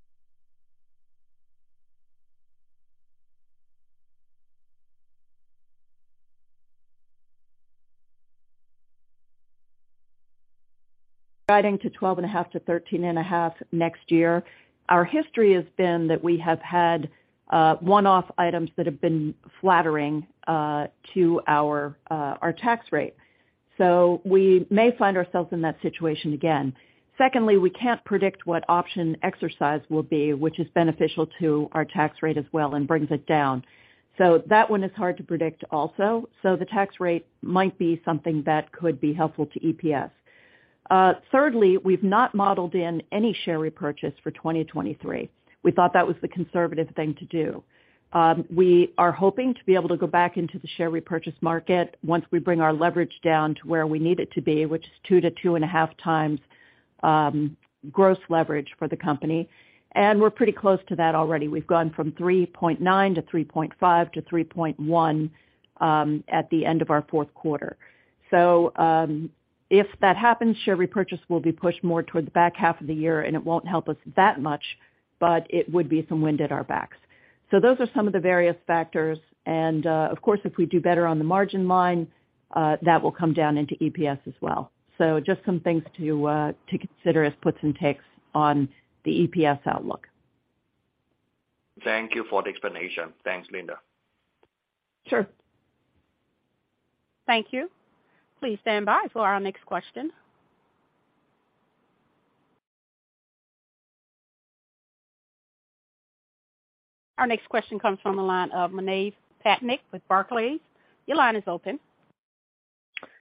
Speaker 4: 12.5%-13.5% next year. Our history has been that we have had one-off items that have been flattering to our tax rate. We may find ourselves in that situation again. Secondly, we can't predict what option exercise will be, which is beneficial to our tax rate as well and brings it down. That one is hard to predict also. The tax rate might be something that could be helpful to EPS. Thirdly, we've not modeled in any share repurchase for 2023. We thought that was the conservative thing to do. We are hoping to be able to go back into the share repurchase market once we bring our leverage down to where we need it to be, which is 2.0x-2.5x gross leverage for the company. We're pretty close to that already. We've gone from 3.9x to 3.5x to 3.1x at the end of our fourth quarter. If that happens, share repurchase will be pushed more towards the back half of the year, and it won't help us that much, but it would be some wind at our backs. Those are some of the various factors. Of course, if we do better on the margin line, that will come down into EPS as well. Just some things to consider as puts and takes on the EPS outlook.
Speaker 7: Thank you for the explanation. Thanks, Linda.
Speaker 4: Sure.
Speaker 1: Thank you. Please stand by for our next question. Our next question comes from the line of Manav Patnaik with Barclays. Your line is open.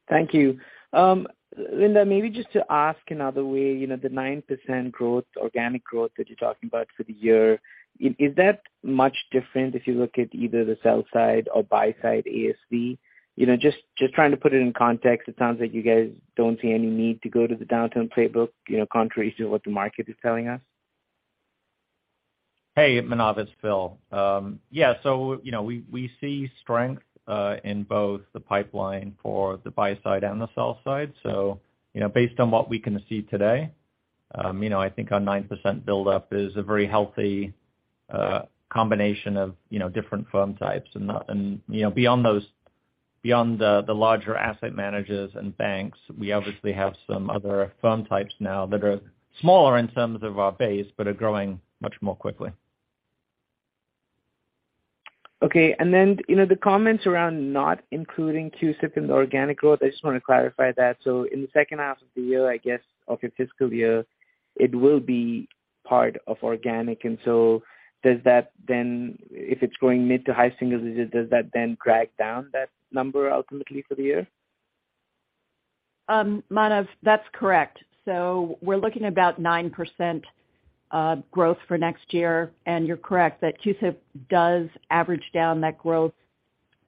Speaker 8: Thank you. Linda, maybe just to ask another way, you know, the 9% growth, organic growth that you're talking about for the year, is that much different if you look at either the sell side or buy side ASV? You know, just trying to put it in context, it sounds like you guys don't see any need to go to the downturn playbook, you know, contrary to what the market is telling us.
Speaker 3: Hey, Manav, it's Phil. You know, we see strength in both the pipeline for the buy side and the sell side. You know, based on what we can see today, you know, I think our 9% buildup is a very healthy combination of, you know, different firm types. You know, beyond the larger asset managers and banks, we obviously have some other firm types now that are smaller in terms of our base, but are growing much more quickly.
Speaker 8: Okay. You know, the comments around not including CUSIP in the organic growth, I just wanna clarify that. In the second half of the year, I guess, of your fiscal year, it will be part of organic. If it's growing mid- to high-single digits, does that then drag down that number ultimately for the year?
Speaker 4: Manav, that's correct. We're looking about 9% growth for next year. You're correct that CUSIP does average down that growth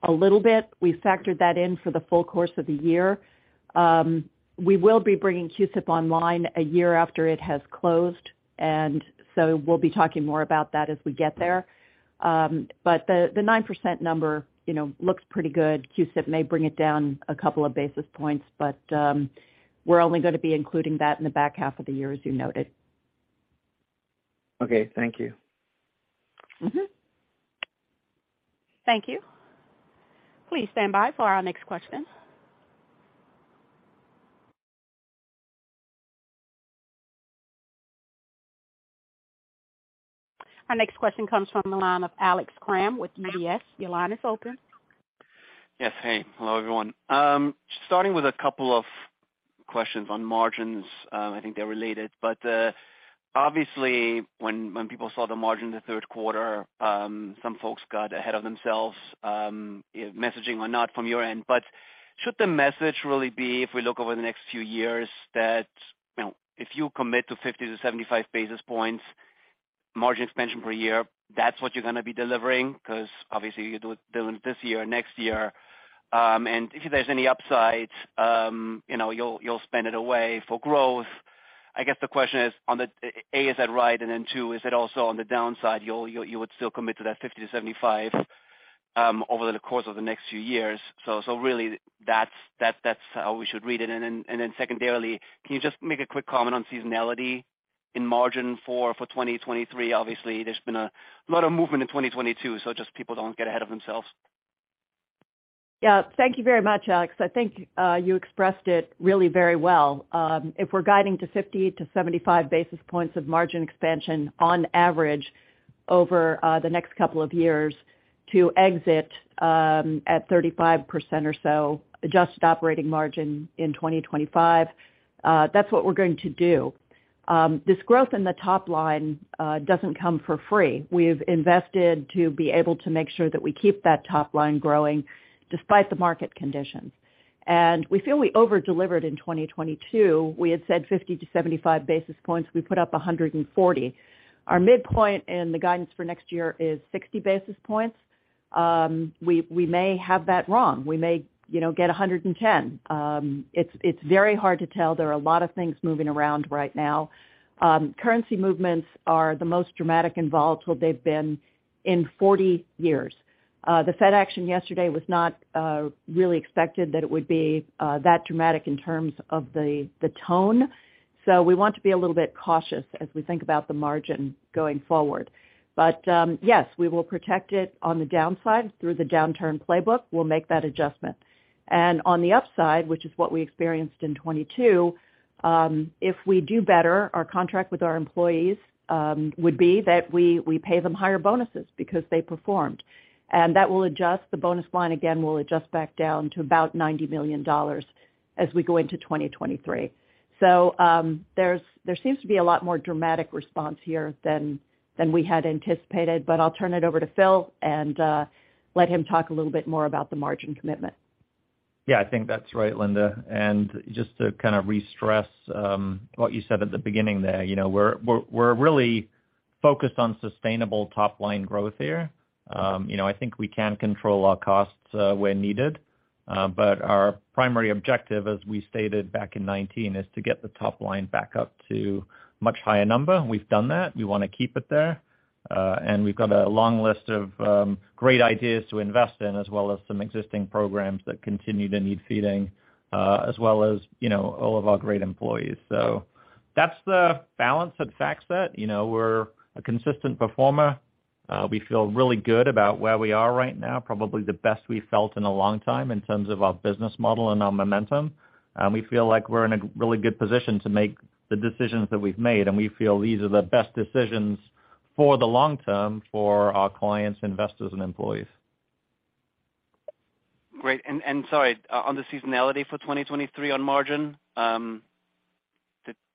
Speaker 4: a little bit. We factored that in for the full course of the year. We will be bringing CUSIP online a year after it has closed, and so we'll be talking more about that as we get there. The 9% number, you know, looks pretty good. CUSIP may bring it down a couple of basis points, but we're only gonna be including that in the back half of the year, as you noted.
Speaker 8: Okay. Thank you.
Speaker 4: Mm-hmm.
Speaker 1: Thank you. Please stand by for our next question. Our next question comes from the line of Alex Kramm with UBS. Your line is open.
Speaker 9: Yes. Hey. Hello, everyone. Starting with a couple of questions on margins, I think they're related. Obviously when people saw the margin in the third quarter, some folks got ahead of themselves, messaging or not from your end. Should the message really be, if we look over the next few years, that, you know, if you commit to 50-75 basis points margin expansion per year, that's what you're gonna be delivering? Because obviously doing it this year, next year. If there's any upside, you know, you'll spend it away for growth. I guess the question is on the, A, is that right? Two, is it also on the downside, you would still commit to that 50-75 basis points over the course of the next few years. Really that's how we should read it. Secondarily, can you just make a quick comment on seasonality in margin for 2023? Obviously, there's been a lot of movement in 2022, so just people don't get ahead of themselves.
Speaker 4: Yeah. Thank you very much, Alex. I think you expressed it really very well. If we're guiding to 50-75 basis points of margin expansion on average over the next couple of years to exit at 35% or so adjusted operating margin in 2025, that's what we're going to do. This growth in the top line doesn't come for free. We've invested to be able to make sure that we keep that top line growing despite the market conditions. We feel we over-delivered in 2022. We had said 50-75 basis points. We put up 140 basis points. Our midpoint in the guidance for next year is 60 basis points. We may have that wrong. We may, you know, get 110 basis points. It's very hard to tell. There are a lot of things moving around right now. Currency movements are the most dramatic and volatile they've been in 40 years. The Fed action yesterday was not really expected that it would be that dramatic in terms of the tone. We want to be a little bit cautious as we think about the margin going forward. Yes, we will protect it on the downside through the downturn playbook. We'll make that adjustment. On the upside, which is what we experienced in 2022, if we do better, our contract with our employees would be that we pay them higher bonuses because they performed. That will adjust the bonus line again, we'll adjust back down to about $90 million as we go into 2023. There seems to be a lot more dramatic response here than we had anticipated, but I'll turn it over to Phil and let him talk a little bit more about the margin commitment.
Speaker 3: Yeah, I think that's right, Linda. Just to kind of re-stress what you said at the beginning there, you know, we're really focused on sustainable top-line growth here. You know, I think we can control our costs where needed. But our primary objective, as we stated back in 2019, is to get the top line back up to much higher number. We've done that. We wanna keep it there. We've got a long list of great ideas to invest in, as well as some existing programs that continue to need feeding, as well as, you know, all of our great employees. That's the balance at FactSet. You know, we're a consistent performer. We feel really good about where we are right now, probably the best we've felt in a long time in terms of our business model and our momentum. We feel like we're in a really good position to make the decisions that we've made, and we feel these are the best decisions for the long term for our clients, investors, and employees.
Speaker 9: Great. Sorry, on the seasonality for 2023 on margin.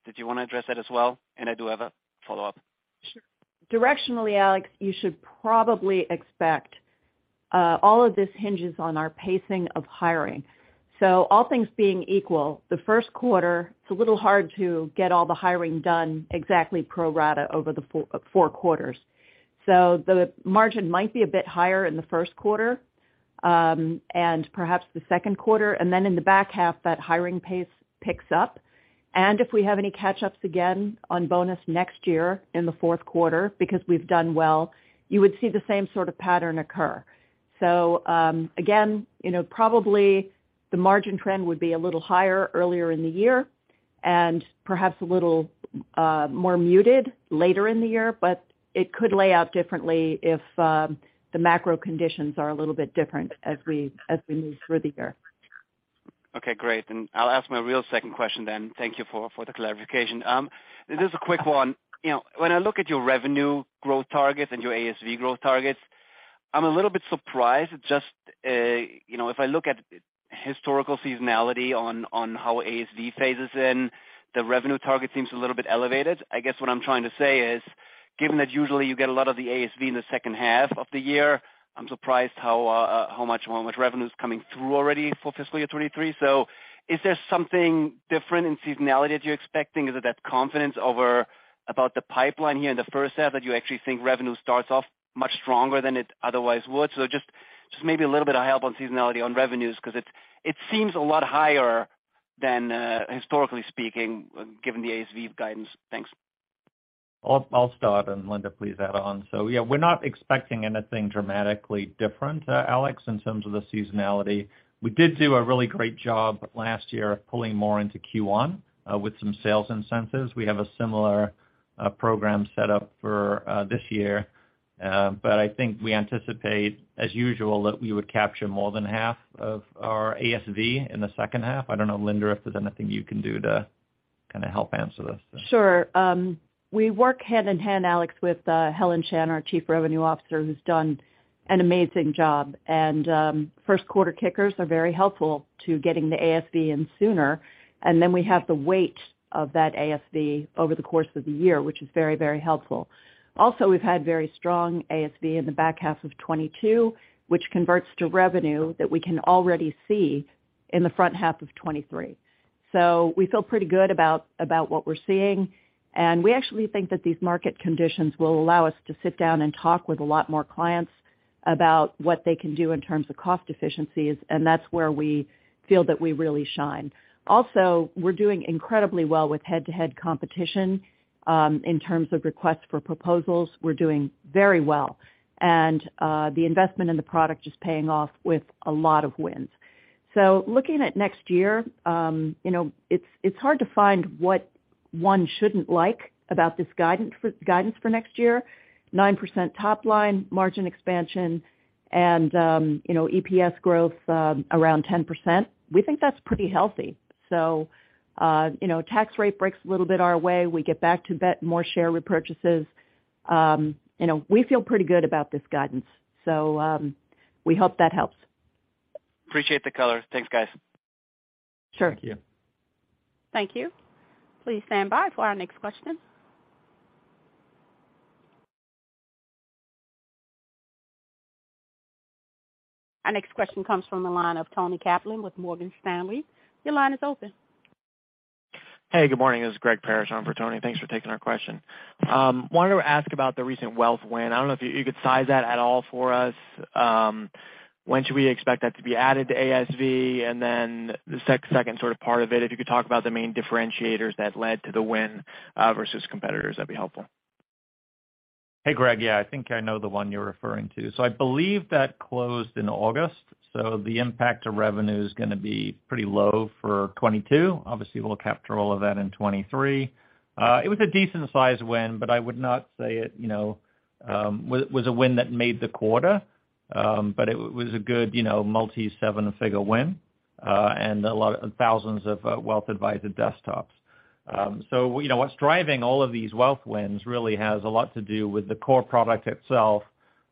Speaker 9: Did you wanna address that as well? I do have a follow-up.
Speaker 4: Sure. Directionally, Alex, you should probably expect all of this hinges on our pacing of hiring. All things being equal, the first quarter, it's a little hard to get all the hiring done exactly pro rata over the four quarters. The margin might be a bit higher in the first quarter, and perhaps the second quarter, and then in the back half, that hiring pace picks up. If we have any catch-ups again on bonus next year in the fourth quarter because we've done well, you would see the same sort of pattern occur. Again, you know, probably the margin trend would be a little higher earlier in the year and perhaps a little more muted later in the year, but it could play out differently if the macro conditions are a little bit different as we move through the year.
Speaker 9: Okay, great. I'll ask my real second question then. Thank you for the clarification. This is a quick one. You know, when I look at your revenue growth targets and your ASV growth targets, I'm a little bit surprised. Just, you know, if I look at historical seasonality on how ASV phases in, the revenue target seems a little bit elevated. I guess what I'm trying to say is, given that usually you get a lot of the ASV in the second half of the year, I'm surprised how much revenue is coming through already for fiscal year 2023. Is there something different in seasonality that you're expecting? Is it that confidence over about the pipeline here in the first half that you actually think revenue starts off much stronger than it otherwise would? Just maybe a little bit of help on seasonality on revenues, 'cause it seems a lot higher than historically speaking, given the ASV guidance. Thanks.
Speaker 3: I'll start, and Linda, please add on. Yeah, we're not expecting anything dramatically different, Alex, in terms of the seasonality. We did do a really great job last year of pulling more into Q1 with some sales incentives. We have a similar program set up for this year. I think we anticipate as usual that we would capture more than half of our ASV in the second half. I don't know, Linda, if there's anything you can do to kinda help answer this.
Speaker 4: Sure. We work hand-in-hand, Alex, with Helen Shan, our Chief Revenue Officer, who's done an amazing job. First quarter kickers are very helpful to getting the ASV in sooner, and then we have the weight of that ASV over the course of the year, which is very, very helpful. Also, we've had very strong ASV in the back half of 2022, which converts to revenue that we can already see in the front half of 2023. We feel pretty good about what we're seeing, and we actually think that these market conditions will allow us to sit down and talk with a lot more clients about what they can do in terms of cost efficiencies, and that's where we feel that we really shine. Also, we're doing incredibly well with head-to-head competition. In terms of requests for proposals, we're doing very well. The investment in the product is paying off with a lot of wins. Looking at next year, you know, it's hard to find what one shouldn't like about this guidance for next year. 9% top line margin expansion and, you know, EPS growth around 10%. We think that's pretty healthy. You know, tax rate breaks a little bit our way, we get back to that more share repurchases. You know, we feel pretty good about this guidance. We hope that helps.
Speaker 9: Appreciate the color. Thanks, guys.
Speaker 4: Sure.
Speaker 3: Thank you.
Speaker 1: Thank you. Please stand by for our next question. Our next question comes from the line of Toni Kaplan with Morgan Stanley. Your line is open.
Speaker 10: Hey, good morning. This is Greg Parrish on for Tony. Thanks for taking our question. Wanted to ask about the recent wealth win. I don't know if you could size that at all for us. When should we expect that to be added to ASV? And then the second sort of part of it, if you could talk about the main differentiators that led to the win versus competitors, that'd be helpful.
Speaker 3: Hey, Greg. Yeah, I think I know the one you're referring to. I believe that closed in August, so the impact to revenue is gonna be pretty low for 2022. Obviously, we'll capture all of that in 2023. It was a decent-sized win, but I would not say it, you know, was a win that made the quarter. But it was a good, you know, multi seven-figure win, and a lot of thousands of wealth advisor desktops. So, you know, what's driving all of these wealth wins really has a lot to do with the core product itself.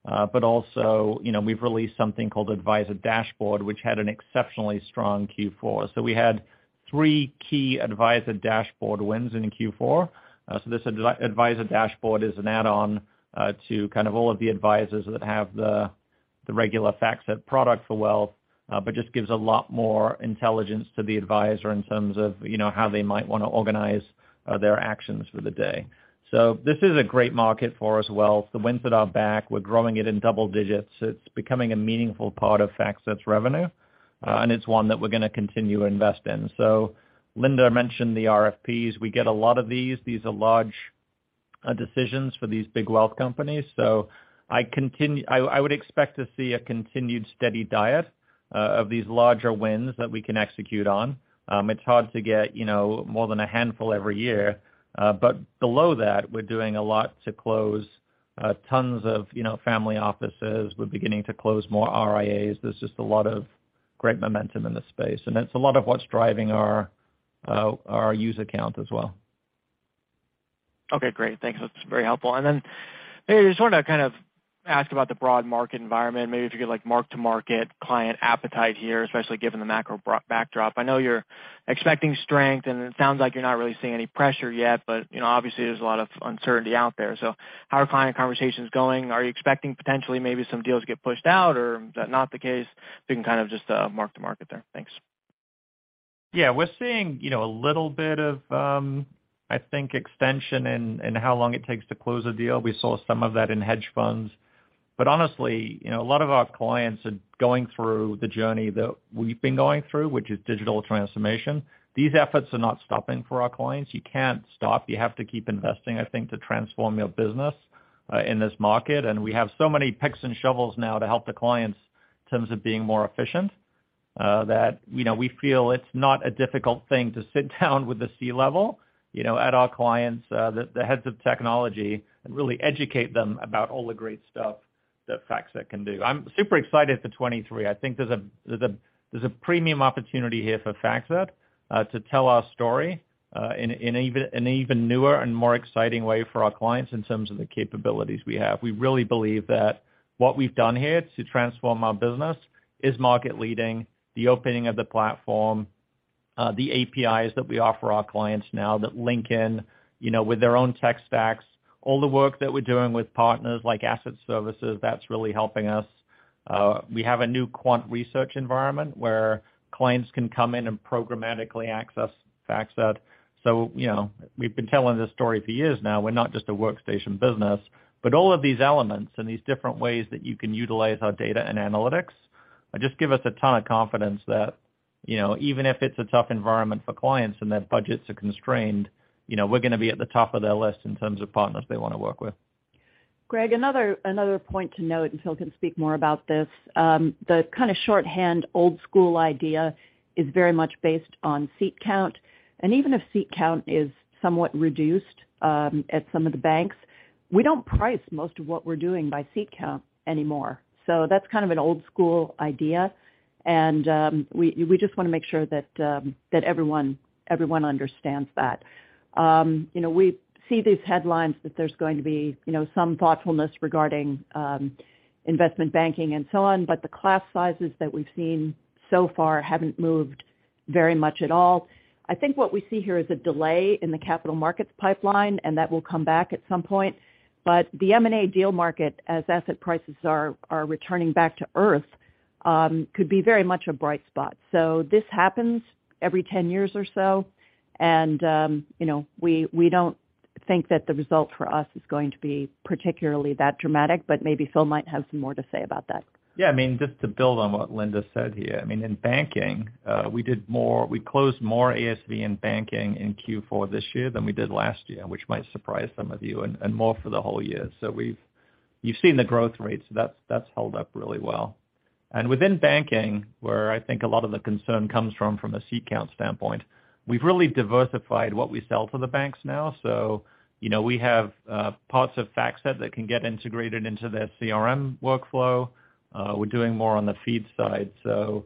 Speaker 3: But also, you know, we've released something called Advisor Dashboard, which had an exceptionally strong Q4. We had three key Advisor Dashboard wins in Q4. This Advisor Dashboard is an add-on to kind of all of the advisors that have the regular FactSet product for wealth, but just gives a lot more intelligence to the advisor in terms of, you know, how they might wanna organize their actions for the day. This is a great market for us, wealth. The wins that are back, we're growing it in double digits. It's becoming a meaningful part of FactSet's revenue, and it's one that we're gonna continue to invest in. Linda mentioned the RFPs. We get a lot of these. These are large decisions for these big wealth companies. I would expect to see a continued steady diet of these larger wins that we can execute on. It's hard to get, you know, more than a handful every year. Below that, we're doing a lot to close tons of, you know, family offices. We're beginning to close more RIAs. There's just a lot of great momentum in this space, and it's a lot of what's driving our user count as well.
Speaker 10: Okay, great. Thanks. That's very helpful. Maybe just wanted to kind of ask about the broad market environment. If you could like mark-to-market client appetite here, especially given the macro backdrop. I know you're expecting strength, and it sounds like you're not really seeing any pressure yet, but, you know, obviously there's a lot of uncertainty out there. How are client conversations going? Are you expecting potentially maybe some deals get pushed out, or is that not the case? If you can kind of just mark-to-market there. Thanks.
Speaker 3: Yeah, we're seeing, you know, a little bit of, I think extension in how long it takes to close a deal. We saw some of that in hedge funds. Honestly, you know, a lot of our clients are going through the journey that we've been going through, which is digital transformation. These efforts are not stopping for our clients. You can't stop. You have to keep investing, I think, to transform your business in this market. We have so many picks and shovels now to help the clients in terms of being more efficient, that, you know, we feel it's not a difficult thing to sit down with the C-level, you know, at our clients, the heads of technology, and really educate them about all the great stuff that FactSet can do. I'm super excited for 2023. I think there's a premium opportunity here for FactSet to tell our story in an even newer and more exciting way for our clients in terms of the capabilities we have. We really believe that what we've done here to transform our business is market leading. The opening of the platform, the APIs that we offer our clients now that link in, you know, with their own tech stacks, all the work that we're doing with partners like asset services, that's really helping us. We have a new quant research environment where clients can come in and programmatically access FactSet. You know, we've been telling this story for years now. We're not just a workstation business. All of these elements and these different ways that you can utilize our data and analytics, just give us a ton of confidence that, you know, even if it's a tough environment for clients and their budgets are constrained, you know, we're gonna be at the top of their list in terms of partners they wanna work with.
Speaker 4: Greg, another point to note, and Phil can speak more about this. The kind of shorthand old school idea is very much based on seat count. Even if seat count is somewhat reduced at some of the banks, we don't price most of what we're doing by seat count anymore. That's kind of an old school idea. We just wanna make sure that everyone understands that. You know, we see these headlines that there's going to be, you know, some thoughtfulness regarding investment banking and so on, but the class sizes that we've seen so far haven't moved very much at all. I think what we see here is a delay in the capital markets pipeline, and that will come back at some point. The M&A deal market, as asset prices are returning back to Earth, could be very much a bright spot. This happens every 10 years or so. You know, we don't think that the result for us is going to be particularly that dramatic, but maybe Phil might have some more to say about that.
Speaker 3: Yeah, I mean, just to build on what Linda said here, I mean, in banking, we closed more ASV in banking in Q4 this year than we did last year, which might surprise some of you, and more for the whole year. So you've seen the growth rates. That's held up really well. Within banking, where I think a lot of the concern comes from a seat count standpoint, we've really diversified what we sell to the banks now. So, you know, we have parts of FactSet that can get integrated into their CRM workflow. We're doing more on the feed side. So,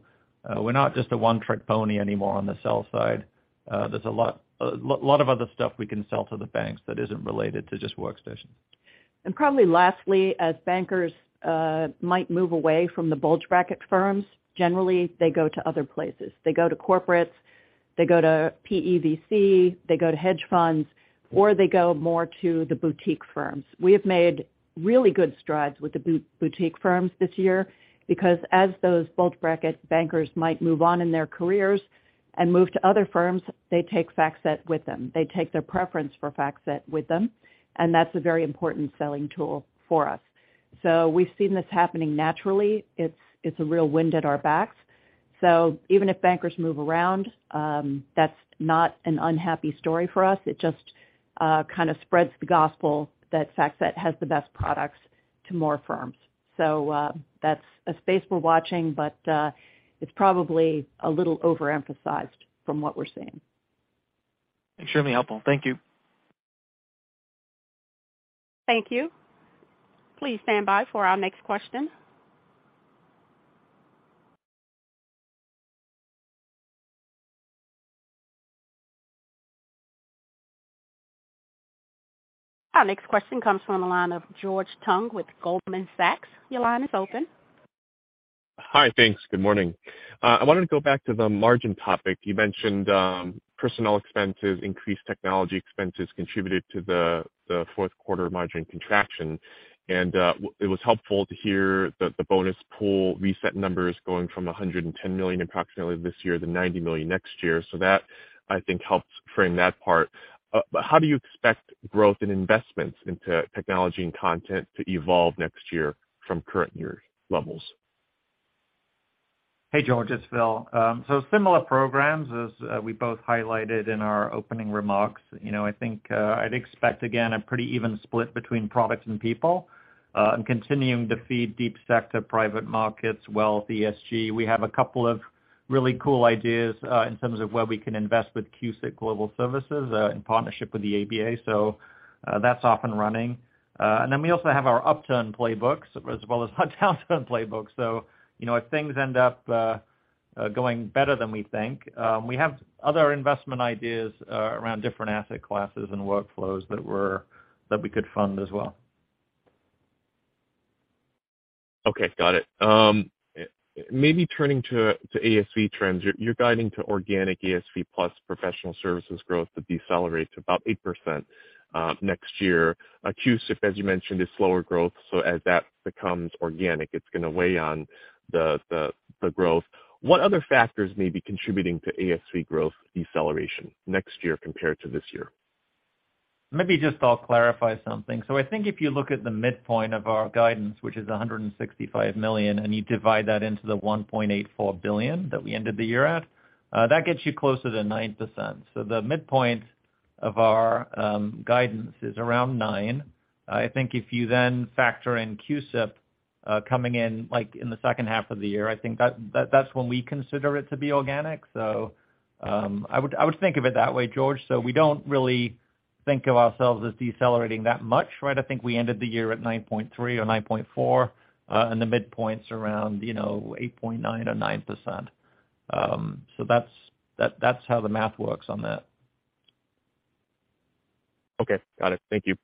Speaker 3: we're not just a one-trick pony anymore on the sell side. There's a lot of other stuff we can sell to the banks that isn't related to just workstations.
Speaker 4: Probably lastly, as bankers might move away from the bulge bracket firms, generally, they go to other places. They go to corporates, they go to PEVC, they go to hedge funds, or they go more to the boutique firms. We have made really good strides with the boutique firms this year because as those bulge bracket bankers might move on in their careers and move to other firms, they take FactSet with them. They take their preference for FactSet with them, and that's a very important selling tool for us. So we've seen this happening naturally. It's a real wind at our backs. So even if bankers move around, that's not an unhappy story for us. It just kind of spreads the gospel that FactSet has the best products to more firms. That's a space we're watching, but it's probably a little overemphasized from what we're seeing.
Speaker 10: Extremely helpful. Thank you.
Speaker 1: Thank you. Please stand by for our next question. Our next question comes from the line of George Tong with Goldman Sachs. Your line is open.
Speaker 11: Hi. Thanks. Good morning. I wanted to go back to the margin topic. You mentioned personnel expenses, increased technology expenses contributed to the fourth quarter margin contraction. It was helpful to hear the bonus pool reset numbers going from $110 million approximately this year to $90 million next year. That, I think, helped frame that part. How do you expect growth in investments into technology and content to evolve next year from current year levels?
Speaker 3: Hey, George, it's Phil. Similar programs as we both highlighted in our opening remarks. You know, I think I'd expect again a pretty even split between products and people, and continuing to feed deep sector private markets, wealth, ESG. We have a couple of really cool ideas in terms of where we can invest with CUSIP Global Services in partnership with the ABA. That's off and running. And then we also have our upturn playbooks as well as our downturn playbooks. You know, if things end up, Going better than we think. We have other investment ideas around different asset classes and workflows that we could fund as well.
Speaker 11: Okay, got it. Maybe turning to ASV trends. You're guiding to organic ASV plus professional services growth to decelerate to about 8%, next year. CUSIP, as you mentioned, is slower growth. As that becomes organic, it's gonna weigh on the growth. What other factors may be contributing to ASV growth deceleration next year compared to this year?
Speaker 3: Maybe I'll just clarify something. I think if you look at the midpoint of our guidance, which is $165 million, and you divide that into the $1.84 billion that we ended the year at, that gets you closer to 9%. The midpoint of our guidance is around 9%. I think if you then factor in CUSIP coming in, like, in the second half of the year, I think that's when we consider it to be organic. I would think of it that way, George. We don't really think of ourselves as decelerating that much, right? I think we ended the year at 9.3% or 9.4%, and the midpoint's around, you know, 8% or 9%. That's how the math works on that.
Speaker 11: Okay. Got it. Thank you.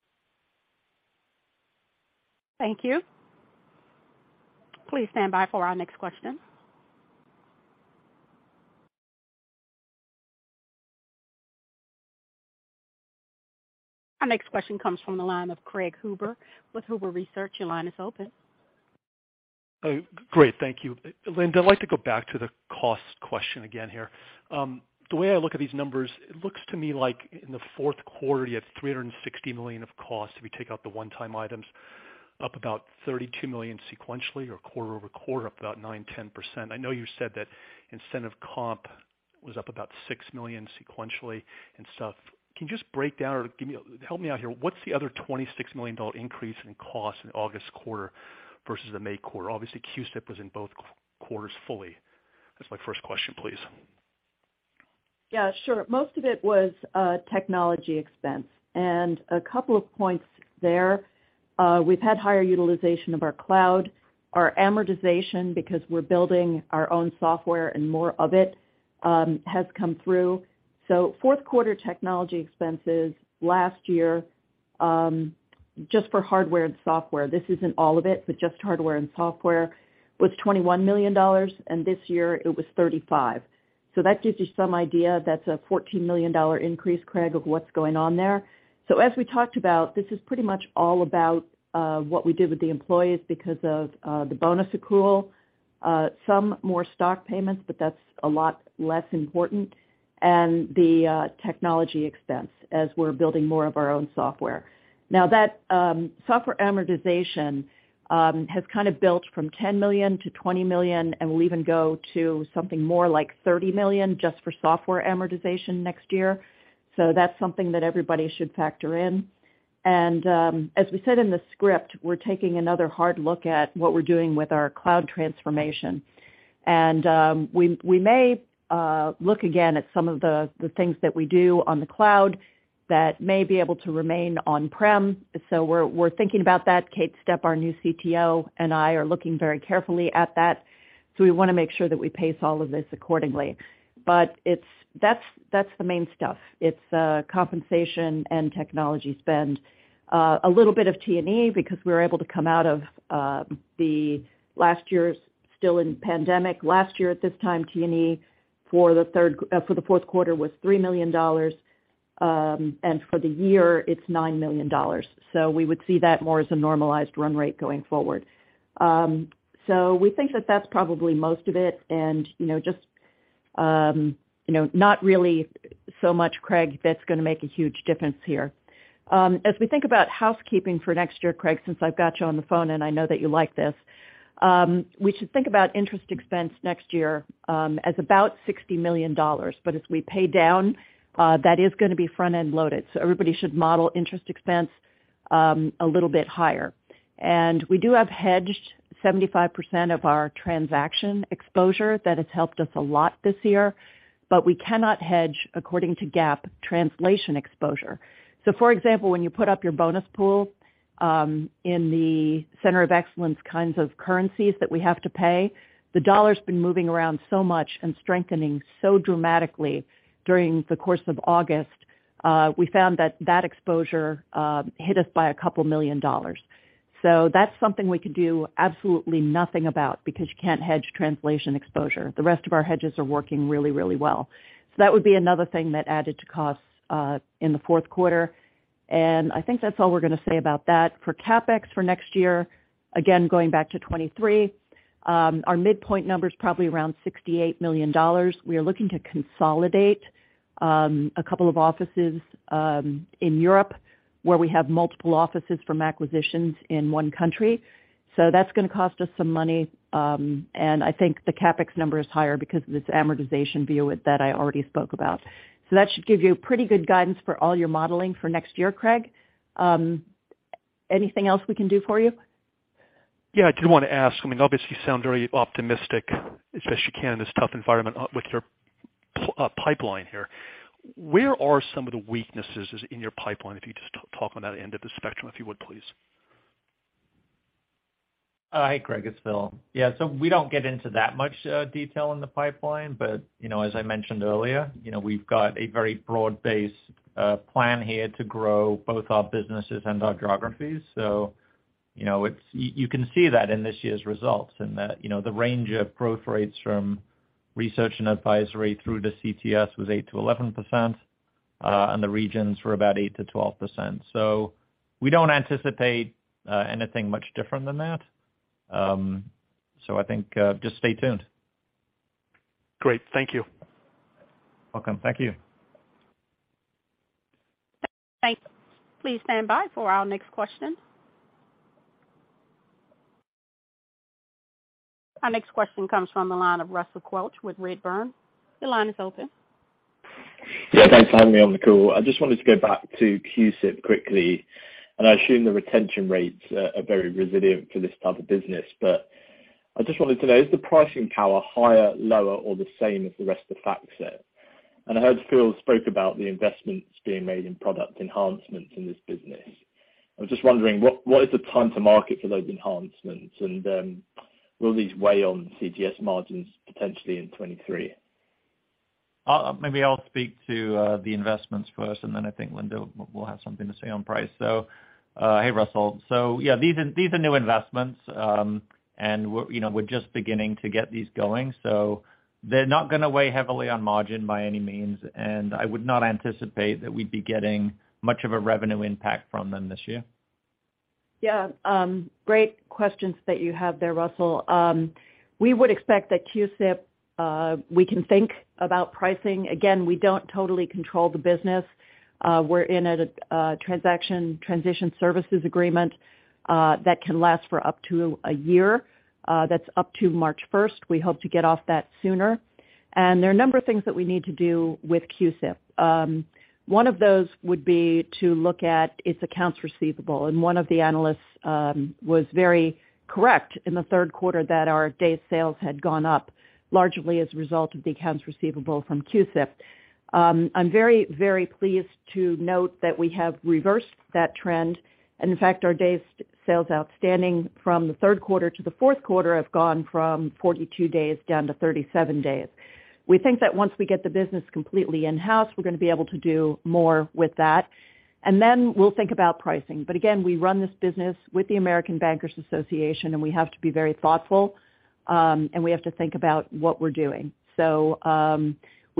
Speaker 1: Thank you. Please stand by for our next question. Our next question comes from the line of Craig Huber with Huber Research. Your line is open.
Speaker 12: Great. Thank you. Linda, I'd like to go back to the cost question again here. The way I look at these numbers, it looks to me like in the fourth quarter, you had $360 million of costs if you take out the one-time items, up about $32 million sequentially or quarter-over-quarter, up about 9%-10%. I know you said that incentive comp was up about $6 million sequentially and stuff. Can you just break down or give me, help me out here, what's the other $26 million increase in costs in August quarter versus the May quarter? Obviously, CUSIP was in both quarters fully. That's my first question, please.
Speaker 4: Yeah, sure. Most of it was technology expense. A couple of points there, we've had higher utilization of our cloud, our amortization because we're building our own software and more of it has come through. Fourth quarter technology expenses last year, just for hardware and software, this isn't all of it, but just hardware and software, was $21 million, and this year it was $35 million. That gives you some idea. That's a $14 million increase, Craig, of what's going on there. As we talked about, this is pretty much all about what we did with the employees because of the bonus accrual, some more stock payments, but that's a lot less important, and the technology expense as we're building more of our own software. Now that software amortization has kind of built from $10 million to $20 million, and will even go to something more like $30 million just for software amortization next year. That's something that everybody should factor in. As we said in the script, we're taking another hard look at what we're doing with our cloud transformation. We may look again at some of the things that we do on the cloud that may be able to remain on-prem. We're thinking about that. Kate Stepp, our new CTO, and I are looking very carefully at that. We wanna make sure that we pace all of this accordingly. It's. That's the main stuff. It's compensation and technology spend. A little bit of T&E because we were able to come out of, the last year's still in pandemic. Last year at this time, T&E for the fourth quarter was $3 million, and for the year it's $9 million. We would see that more as a normalized run rate going forward. We think that that's probably most of it. You know, just, you know, not really so much, Craig, that's gonna make a huge difference here. As we think about housekeeping for next year, Craig, since I've got you on the phone and I know that you like this, we should think about interest expense next year, as about $60 million. But as we pay down, that is gonna be front-end loaded. Everybody should model interest expense a little bit higher. We do have hedged 75% of our transaction exposure. That has helped us a lot this year. We cannot hedge, according to GAAP, translation exposure. For example, when you put up your bonus pool in the center of excellence kinds of currencies that we have to pay, the dollar's been moving around so much and strengthening so dramatically during the course of August, we found that exposure hit us by $2 million. That's something we can do absolutely nothing about because you can't hedge translation exposure. The rest of our hedges are working really, really well. That would be another thing that added to costs in the fourth quarter. I think that's all we're gonna say about that. For CapEx for next year, again, going back to 2023, our midpoint number's probably around $68 million. We are looking to consolidate a couple of offices in Europe, where we have multiple offices from acquisitions in one country. That's gonna cost us some money, and I think the CapEx number is higher because of this amortization view that I already spoke about. That should give you pretty good guidance for all your modeling for next year, Craig. Anything else we can do for you?
Speaker 12: Yeah, I did wanna ask, I mean, obviously you sound very optimistic as best you can in this tough environment, with your pipeline here. Where are some of the weaknesses is in your pipeline? If you just talk on that end of the spectrum, if you would, please.
Speaker 3: Hi, Greg, it's Phil. Yeah. We don't get into that much detail in the pipeline, but you know, as I mentioned earlier, you know, we've got a very broad-based plan here to grow both our businesses and our geographies. You know, it's you can see that in this year's results and that, you know, the range of growth rates from research and advisory through the CTS was 8%-11%, and the regions were about 8%-12%. We don't anticipate anything much different than that. I think just stay tuned.
Speaker 12: Great. Thank you.
Speaker 3: Welcome. Thank you.
Speaker 1: Please stand by for our next question. Our next question comes from the line of Russell Quelch with Redburn. Your line is open.
Speaker 13: Yeah, thanks for having me on the call. I just wanted to go back to CUSIP quickly, and I assume the retention rates are very resilient for this type of business. I just wanted to know, is the pricing power higher, lower or the same as the rest of FactSet? I heard Phil spoke about the investments being made in product enhancements in this business. I was just wondering what is the time to market for those enhancements and, will these weigh on CTS margins potentially in 2023?
Speaker 3: Maybe I'll speak to the investments first, and then I think Linda will have something to say on price. Hey, Russell. Yeah, these are new investments, and we're, you know, just beginning to get these going, so they're not gonna weigh heavily on margin by any means. I would not anticipate that we'd be getting much of a revenue impact from them this year.
Speaker 4: Yeah. Great questions that you have there, Russell. We would expect that CUSIP, we can think about pricing. Again, we don't totally control the business. We're in a transition services agreement that can last for up to a year. That's up to March 1st. We hope to get off that sooner. There are a number of things that we need to do with CUSIP. One of those would be to look at its accounts receivable. One of the analysts was very correct in the third quarter that our Days Sales had gone up largely as a result of the accounts receivable from CUSIP. I'm very, very pleased to note that we have reversed that trend. In fact, our days sales outstanding from the third quarter to the fourth quarter have gone from 42 days down to 37 days. We think that once we get the business completely in-house, we're gonna be able to do more with that, and then we'll think about pricing. Again, we run this business with the American Bankers Association, and we have to be very thoughtful, and we have to think about what we're doing.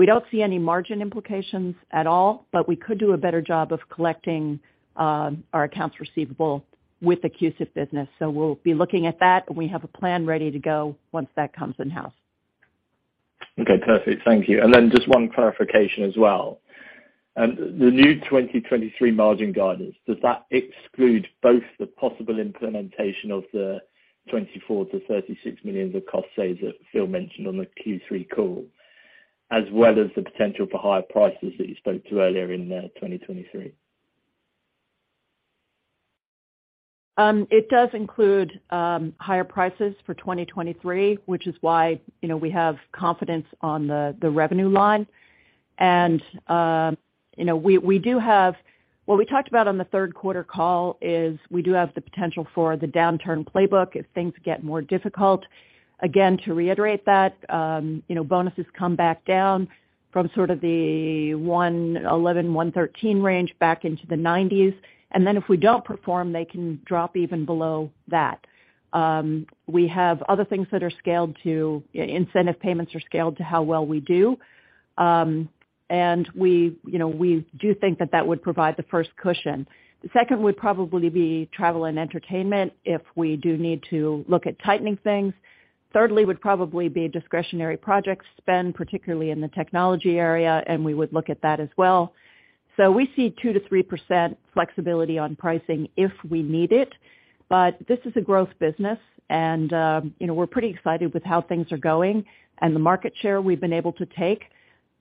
Speaker 4: We don't see any margin implications at all, but we could do a better job of collecting our accounts receivable with the CUSIP business. We'll be looking at that, and we have a plan ready to go once that comes in-house.
Speaker 13: Okay. Perfect. Thank you. Just one clarification as well. The new 2023 margin guidance, does that exclude both the possible implementation of the $24 million-$36 million of cost savings that Phil mentioned on the Q3 call, as well as the potential for higher prices that you spoke to earlier in 2023?
Speaker 4: It does include higher prices for 2023, which is why, you know, we have confidence on the revenue line. You know, what we talked about on the third quarter call is we do have the potential for the downturn playbook if things get more difficult. Again, to reiterate that, you know, bonuses come back down from sort of the $111 million-$113 million range back into the 90s, and then if we don't perform, they can drop even below that. Incentive payments are scaled to how well we do. You know, we do think that that would provide the first cushion. The second would probably be travel and entertainment if we do need to look at tightening things. Thirdly would probably be discretionary project spend, particularly in the technology area, and we would look at that as well. We see 2%-3% flexibility on pricing if we need it. This is a growth business, and you know, we're pretty excited with how things are going and the market share we've been able to take.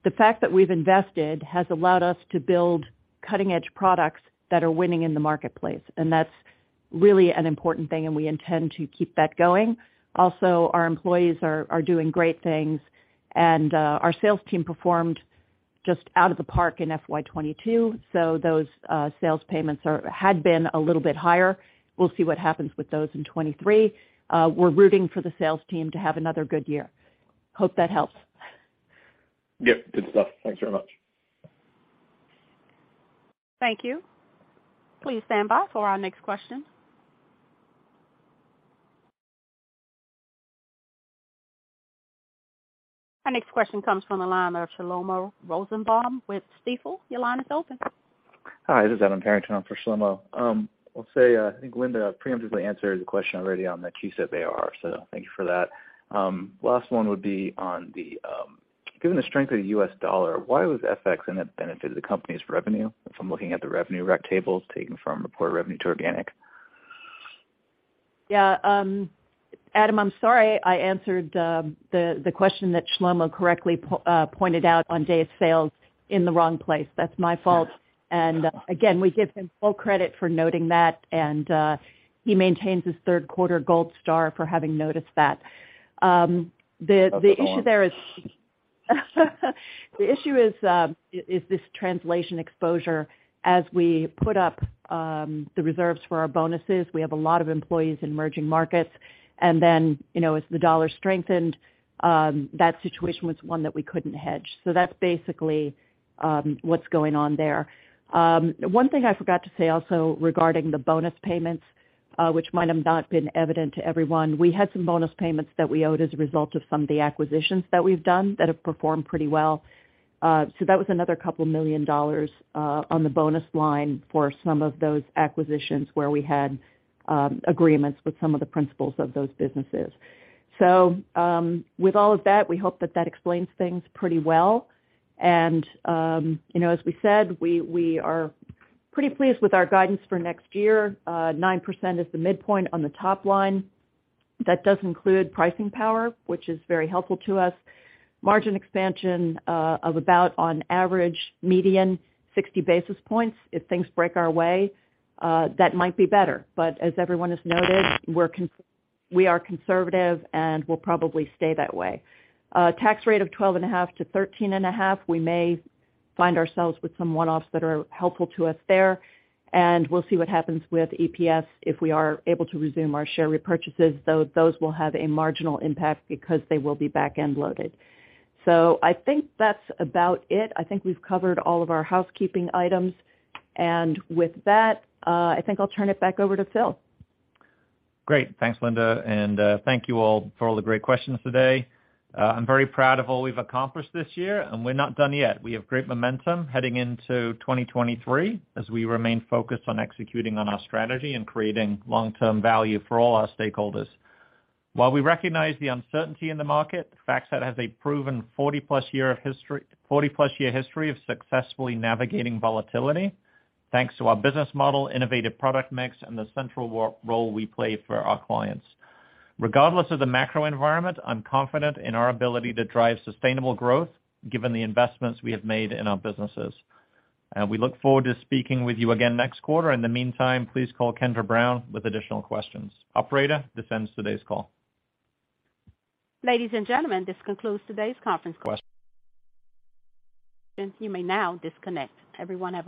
Speaker 4: The fact that we've invested has allowed us to build cutting-edge products that are winning in the marketplace, and that's really an important thing, and we intend to keep that going. Also, our employees are doing great things, and our sales team performed just out of the park in FY 2022, so those sales payments are a little bit higher. We'll see what happens with those in 2023. We're rooting for the sales team to have another good year. Hope that helps.
Speaker 13: Yep. Good stuff. Thanks very much.
Speaker 1: Thank you. Please stand by for our next question. Our next question comes from the line of Shlomo Rosenbaum with Stifel. Your line is open.
Speaker 14: Hi, this is Adam Parrington for Shlomo. I'll say, I think Linda preemptively answered the question already on the CUSIP ASV, so thank you for that. Last one would be given the strength of the U.S. dollar, why was FX a net benefit to the company's revenue. If I'm looking at the revenue recon tables taken from reported revenue to organic.
Speaker 4: Yeah. Adam, I'm sorry I answered the question that Shlomo correctly pointed out on days sales in the wrong place. That's my fault. Again, we give him full credit for noting that, and he maintains his third quarter gold star for having noticed that. The issue there is this translation exposure as we put up the reserves for our bonuses. We have a lot of employees in emerging markets, and then, you know, as the dollar strengthened, that situation was one that we couldn't hedge. That's basically what's going on there. One thing I forgot to say also regarding the bonus payments, which might have not been evident to everyone, we had some bonus payments that we owed as a result of some of the acquisitions that we've done that have performed pretty well. That was another $2 million on the bonus line for some of those acquisitions where we had agreements with some of the principals of those businesses. With all of that, we hope that that explains things pretty well. You know, as we said, we are pretty pleased with our guidance for next year. 9% is the midpoint on the top line. That does include pricing power, which is very helpful to us. Margin expansion of about on average median 60 basis points. If things break our way, that might be better. As everyone has noted, we are conservative, and we'll probably stay that way. Tax rate of 12.5%-13.5%, we may find ourselves with some one-offs that are helpful to us there, and we'll see what happens with EPS if we are able to resume our share repurchases, though those will have a marginal impact because they will be back-end loaded. I think that's about it. I think we've covered all of our housekeeping items. With that, I think I'll turn it back over to Phil.
Speaker 3: Great. Thanks, Linda, and thank you all for all the great questions today. I'm very proud of all we've accomplished this year, and we're not done yet. We have great momentum heading into 2023 as we remain focused on executing on our strategy and creating long-term value for all our stakeholders. While we recognize the uncertainty in the market, FactSet has a proven 40+ year history of successfully navigating volatility, thanks to our business model, innovative product mix, and the central role we play for our clients. Regardless of the macro environment, I'm confident in our ability to drive sustainable growth given the investments we have made in our businesses. We look forward to speaking with you again next quarter. In the meantime, please call Kendra Brown with additional questions. Operator, this ends today's call.
Speaker 1: Ladies and gentlemen, this concludes today's conference call. You may now disconnect. Everyone have a great day.